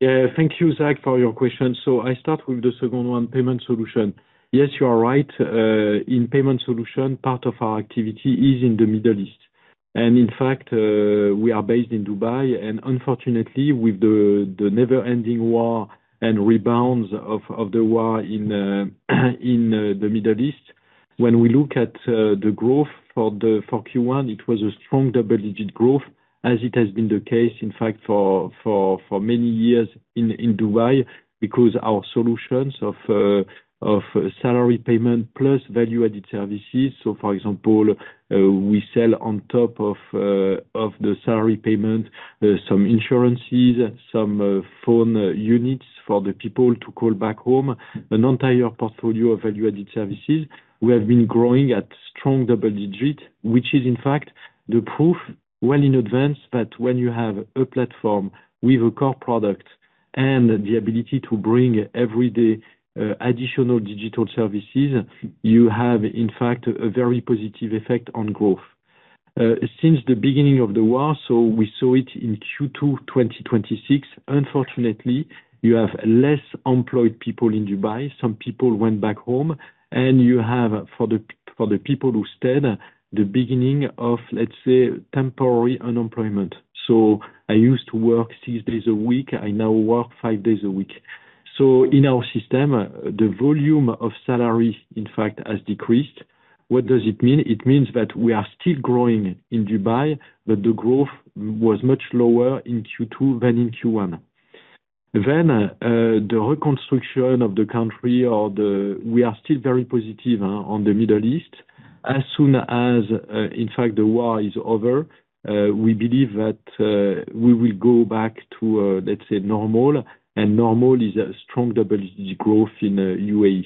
Yeah. Thank you, Zach, for your question. I start with the second one, payment solution. Yes, you are right. In payment solution, part of our activity is in the Middle East. In fact, we are based in Dubai, and unfortunately, with the never-ending war and rebounds of the war in the Middle East, when we look at the growth for Q1, it was a strong double-digit growth as it has been the case, in fact, for many years in Dubai because our solutions of salary payment plus value-added services. For example, we sell on top of the salary payment, some insurances, some phone units for the people to call back home, an entire portfolio of value-added services. We have been growing at strong double-digit, which is in fact the proof well in advance that when you have a platform with a core product and the ability to bring everyday additional digital services, you have, in fact, a very positive effect on growth. Since the beginning of the war, we saw it in Q2 2026, unfortunately, you have less employed people in Dubai. Some people went back home, and you have, for the people who stayed, the beginning of, let's say, temporary unemployment. I used to work six days a week. I now work five days a week. In our system, the volume of salary, in fact, has decreased. What does it mean? It means that we are still growing in Dubai, but the growth was much lower in Q2 than in Q1. The reconstruction of the country or the we are still very positive on the Middle East. As soon as, in fact, the war is over, we believe that we will go back to, let's say, normal, and normal is a strong double-digit growth in UAE.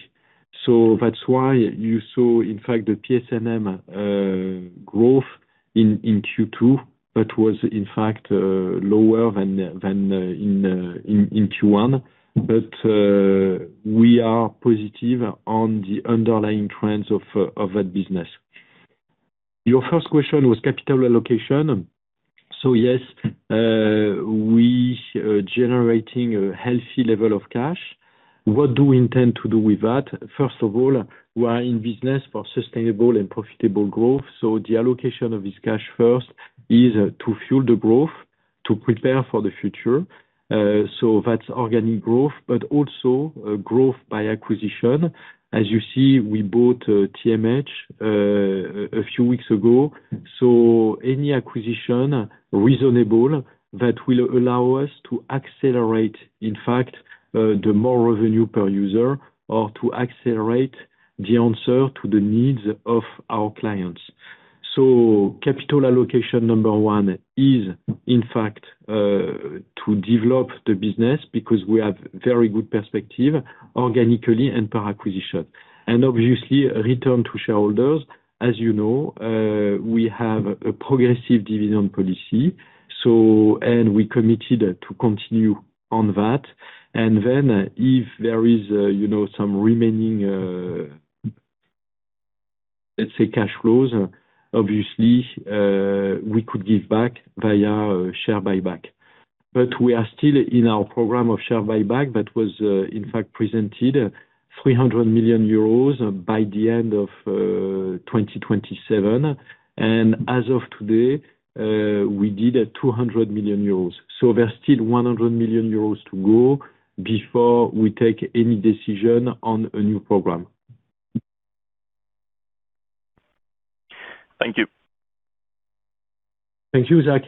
That's why you saw, in fact, the PS&NM growth in Q2, but was in fact lower than in Q1. We are positive on the underlying trends of that business. Your first question was capital allocation. Yes, we are generating a healthy level of cash. What do we intend to do with that? First of all, we are in business for sustainable and profitable growth. The allocation of this cash first is to fuel the growth, to prepare for the future. That's organic growth, but also growth by acquisition. As you see, we bought TMH a few weeks ago. Any acquisition reasonable that will allow us to accelerate, in fact, the more revenue per user or to accelerate the answer to the needs of our clients. Capital allocation number one is, in fact, to develop the business because we have very good perspective organically and per acquisition. Obviously, return to shareholders. As you know, we have a progressive dividend policy. We're committed to continue on that. If there is some remaining Let's say cash flows, obviously, we could give back via share buyback. We are still in our program of share buyback that was in fact presented 300 million euros by the end of 2027. As of today, we did 200 million euros. There's still 100 million euros to go before we take any decision on a new program. Thank you. Thank you, Zach.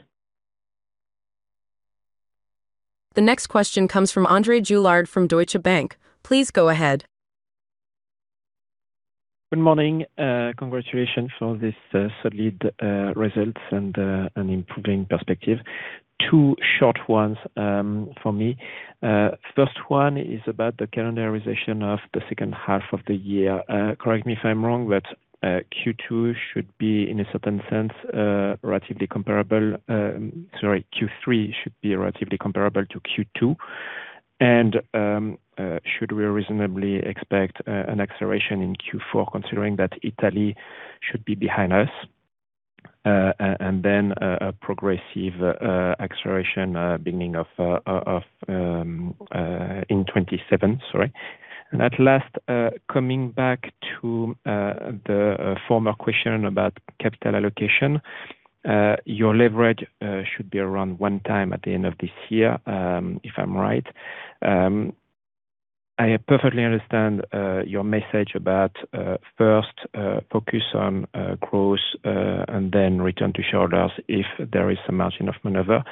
The next question comes from André Juillard from Deutsche Bank. Please go ahead. Good morning. Congratulations for this solid results and improving perspective. Two short ones from me. First one is about the calendarization of the second half of the year. Correct me if I'm wrong, Q2 should be, in a certain sense, relatively comparable. Sorry, Q3 should be relatively comparable to Q2. Should we reasonably expect an acceleration in Q4 considering that Italy should be behind us? A progressive acceleration beginning in 2027. Sorry. At last, coming back to the former question about capital allocation. Your leverage should be around one time at the end of this year, if I'm right. I perfectly understand your message about first focus on growth, then return to shareholders if there is a margin of maneuver.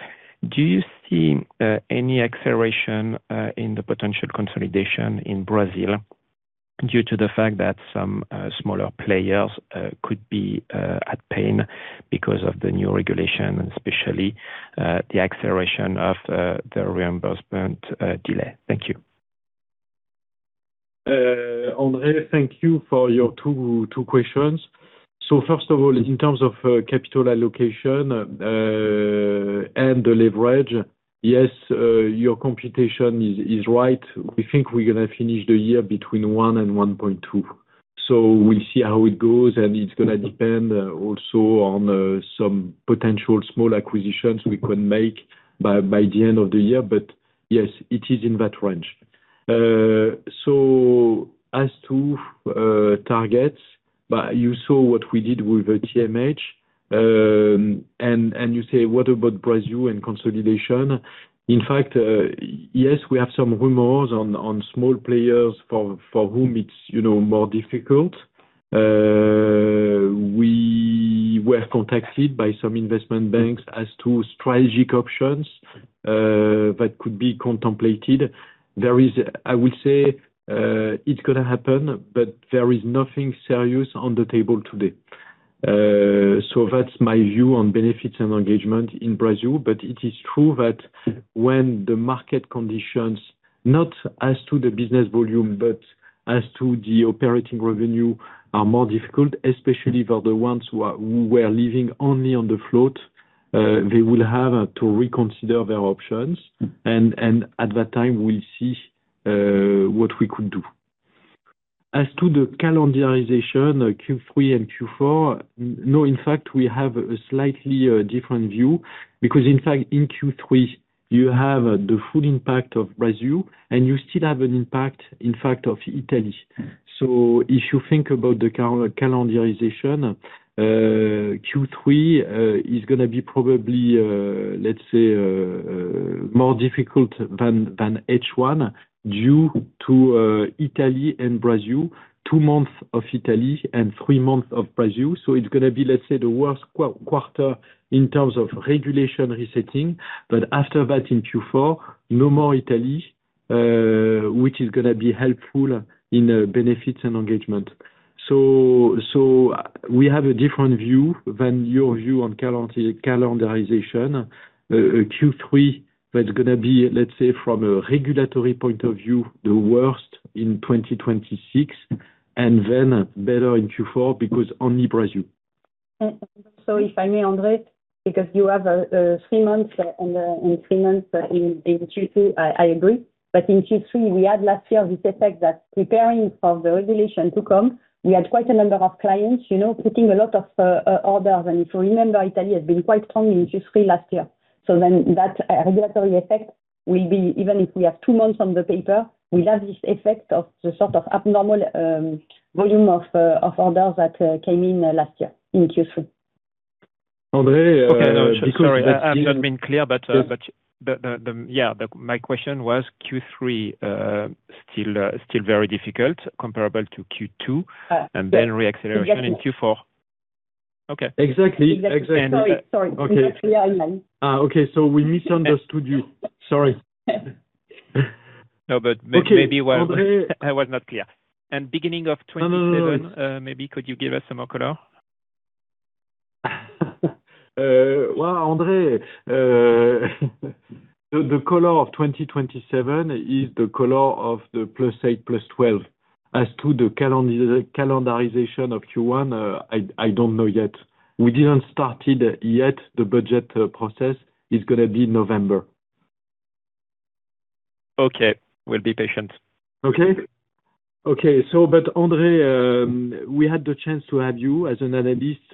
Do you see any acceleration in the potential consolidation in Brazil due to the fact that some smaller players could be at pain because of the new regulation and especially the acceleration of the reimbursement delay? Thank you. André, thank you for your two questions. First of all, in terms of capital allocation, and the leverage, yes, your computation is right. We think we're going to finish the year between one and 1.2. We'll see how it goes, and it's going to depend also on some potential small acquisitions we could make by the end of the year. Yes, it is in that range. As to targets, you saw what we did with TMH. You say, what about Brazil and consolidation? In fact, yes, we have some rumors on small players for whom it's more difficult. We were contacted by some investment banks as to strategic options that could be contemplated. I would say it's going to happen. There is nothing serious on the table today. That's my view on Benefits & Engagement in Brazil. It is true that when the market conditions, not as to the business volume, but as to the operating revenue, are more difficult, especially for the ones who were living only on the float, they will have to reconsider their options. At that time, we'll see what we could do. As to the calendarization, Q3 and Q4, no, in fact, we have a slightly different view. In fact, in Q3, you have the full impact of Brazil, and you still have an impact, in fact, of Italy. If you think about the calendarization, Q3 is going to be probably, let's say, more difficult than H1 due to Italy and Brazil, two months of Italy and three months of Brazil. It's going to be, let's say, the worst quarter in terms of regulation resetting. After that, in Q4, no more Italy, which is going to be helpful in Benefits & Engagement. We have a different view than your view on calendarization. Q3, that's going to be, let's say, from a regulatory point of view, the worst in 2026. Better in Q4 because only Brazil. Sorry, if I may, André. You have three months in Q2, I agree. In Q3, we had last year this effect that preparing for the regulation to come, we had quite a number of clients putting a lot of orders. If you remember, Italy has been quite strong in Q3 last year. That regulatory effect will be, even if we have two months on the paper, we have this effect of the sort of abnormal volume of orders that came in last year in Q3. André Okay. No, sorry, I've not been clear. My question was Q3 still very difficult comparable to Q2, then re-acceleration in Q4. Okay. Exactly. Sorry. We got you online. Okay. We misunderstood you. Sorry. Maybe I was not clear. Beginning of 2027, maybe could you give us some more color? Well, André, the color of 2027 is the color of the +8%, +12%. As to the calendarization of Q1, I don't know yet. We didn't start it yet. The budget process is going to be November. We'll be patient. André, we had the chance to have you as an analyst,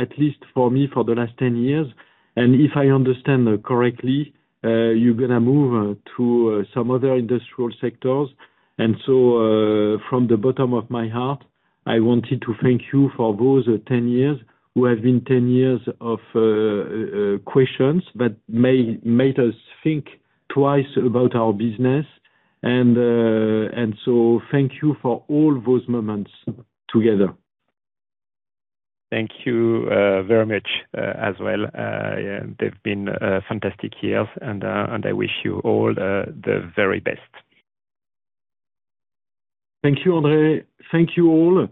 at least for me, for the last 10 years. If I understand correctly, you're going to move to some other industrial sectors. From the bottom of my heart, I wanted to thank you for those 10 years, who have been 10 years of questions that made us think twice about our business. Thank you for all those moments together. Thank you very much as well. They've been fantastic years and I wish you all the very best. Thank you, André. Thank you all.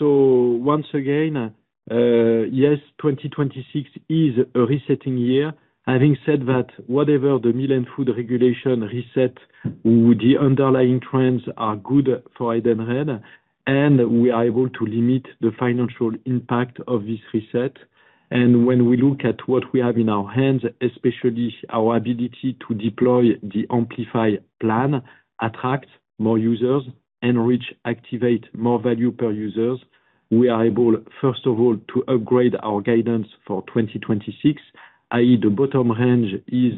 Once again, yes, 2026 is a resetting year. Having said that, whatever the meal and food regulation reset, the underlying trends are good for Edenred, and we are able to limit the financial impact of this reset. When we look at what we have in our hands, especially our ability to deploy the Amplify plan, attract more users, enrich, activate more value per users, we are able, first of all, to upgrade our guidance for 2026, i.e. the bottom range is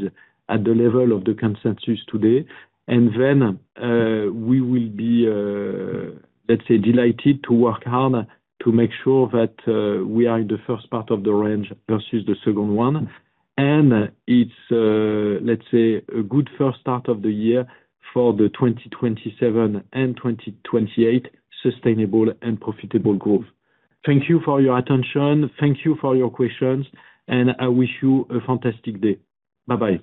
at the level of the consensus today. Then we will be, let's say, delighted to work hard to make sure that we are in the first part of the range versus the second one. It's, let's say, a good first start of the year for the 2027 and 2028 sustainable and profitable growth. Thank you for your attention. Thank you for your questions, and I wish you a fantastic day. Bye-bye.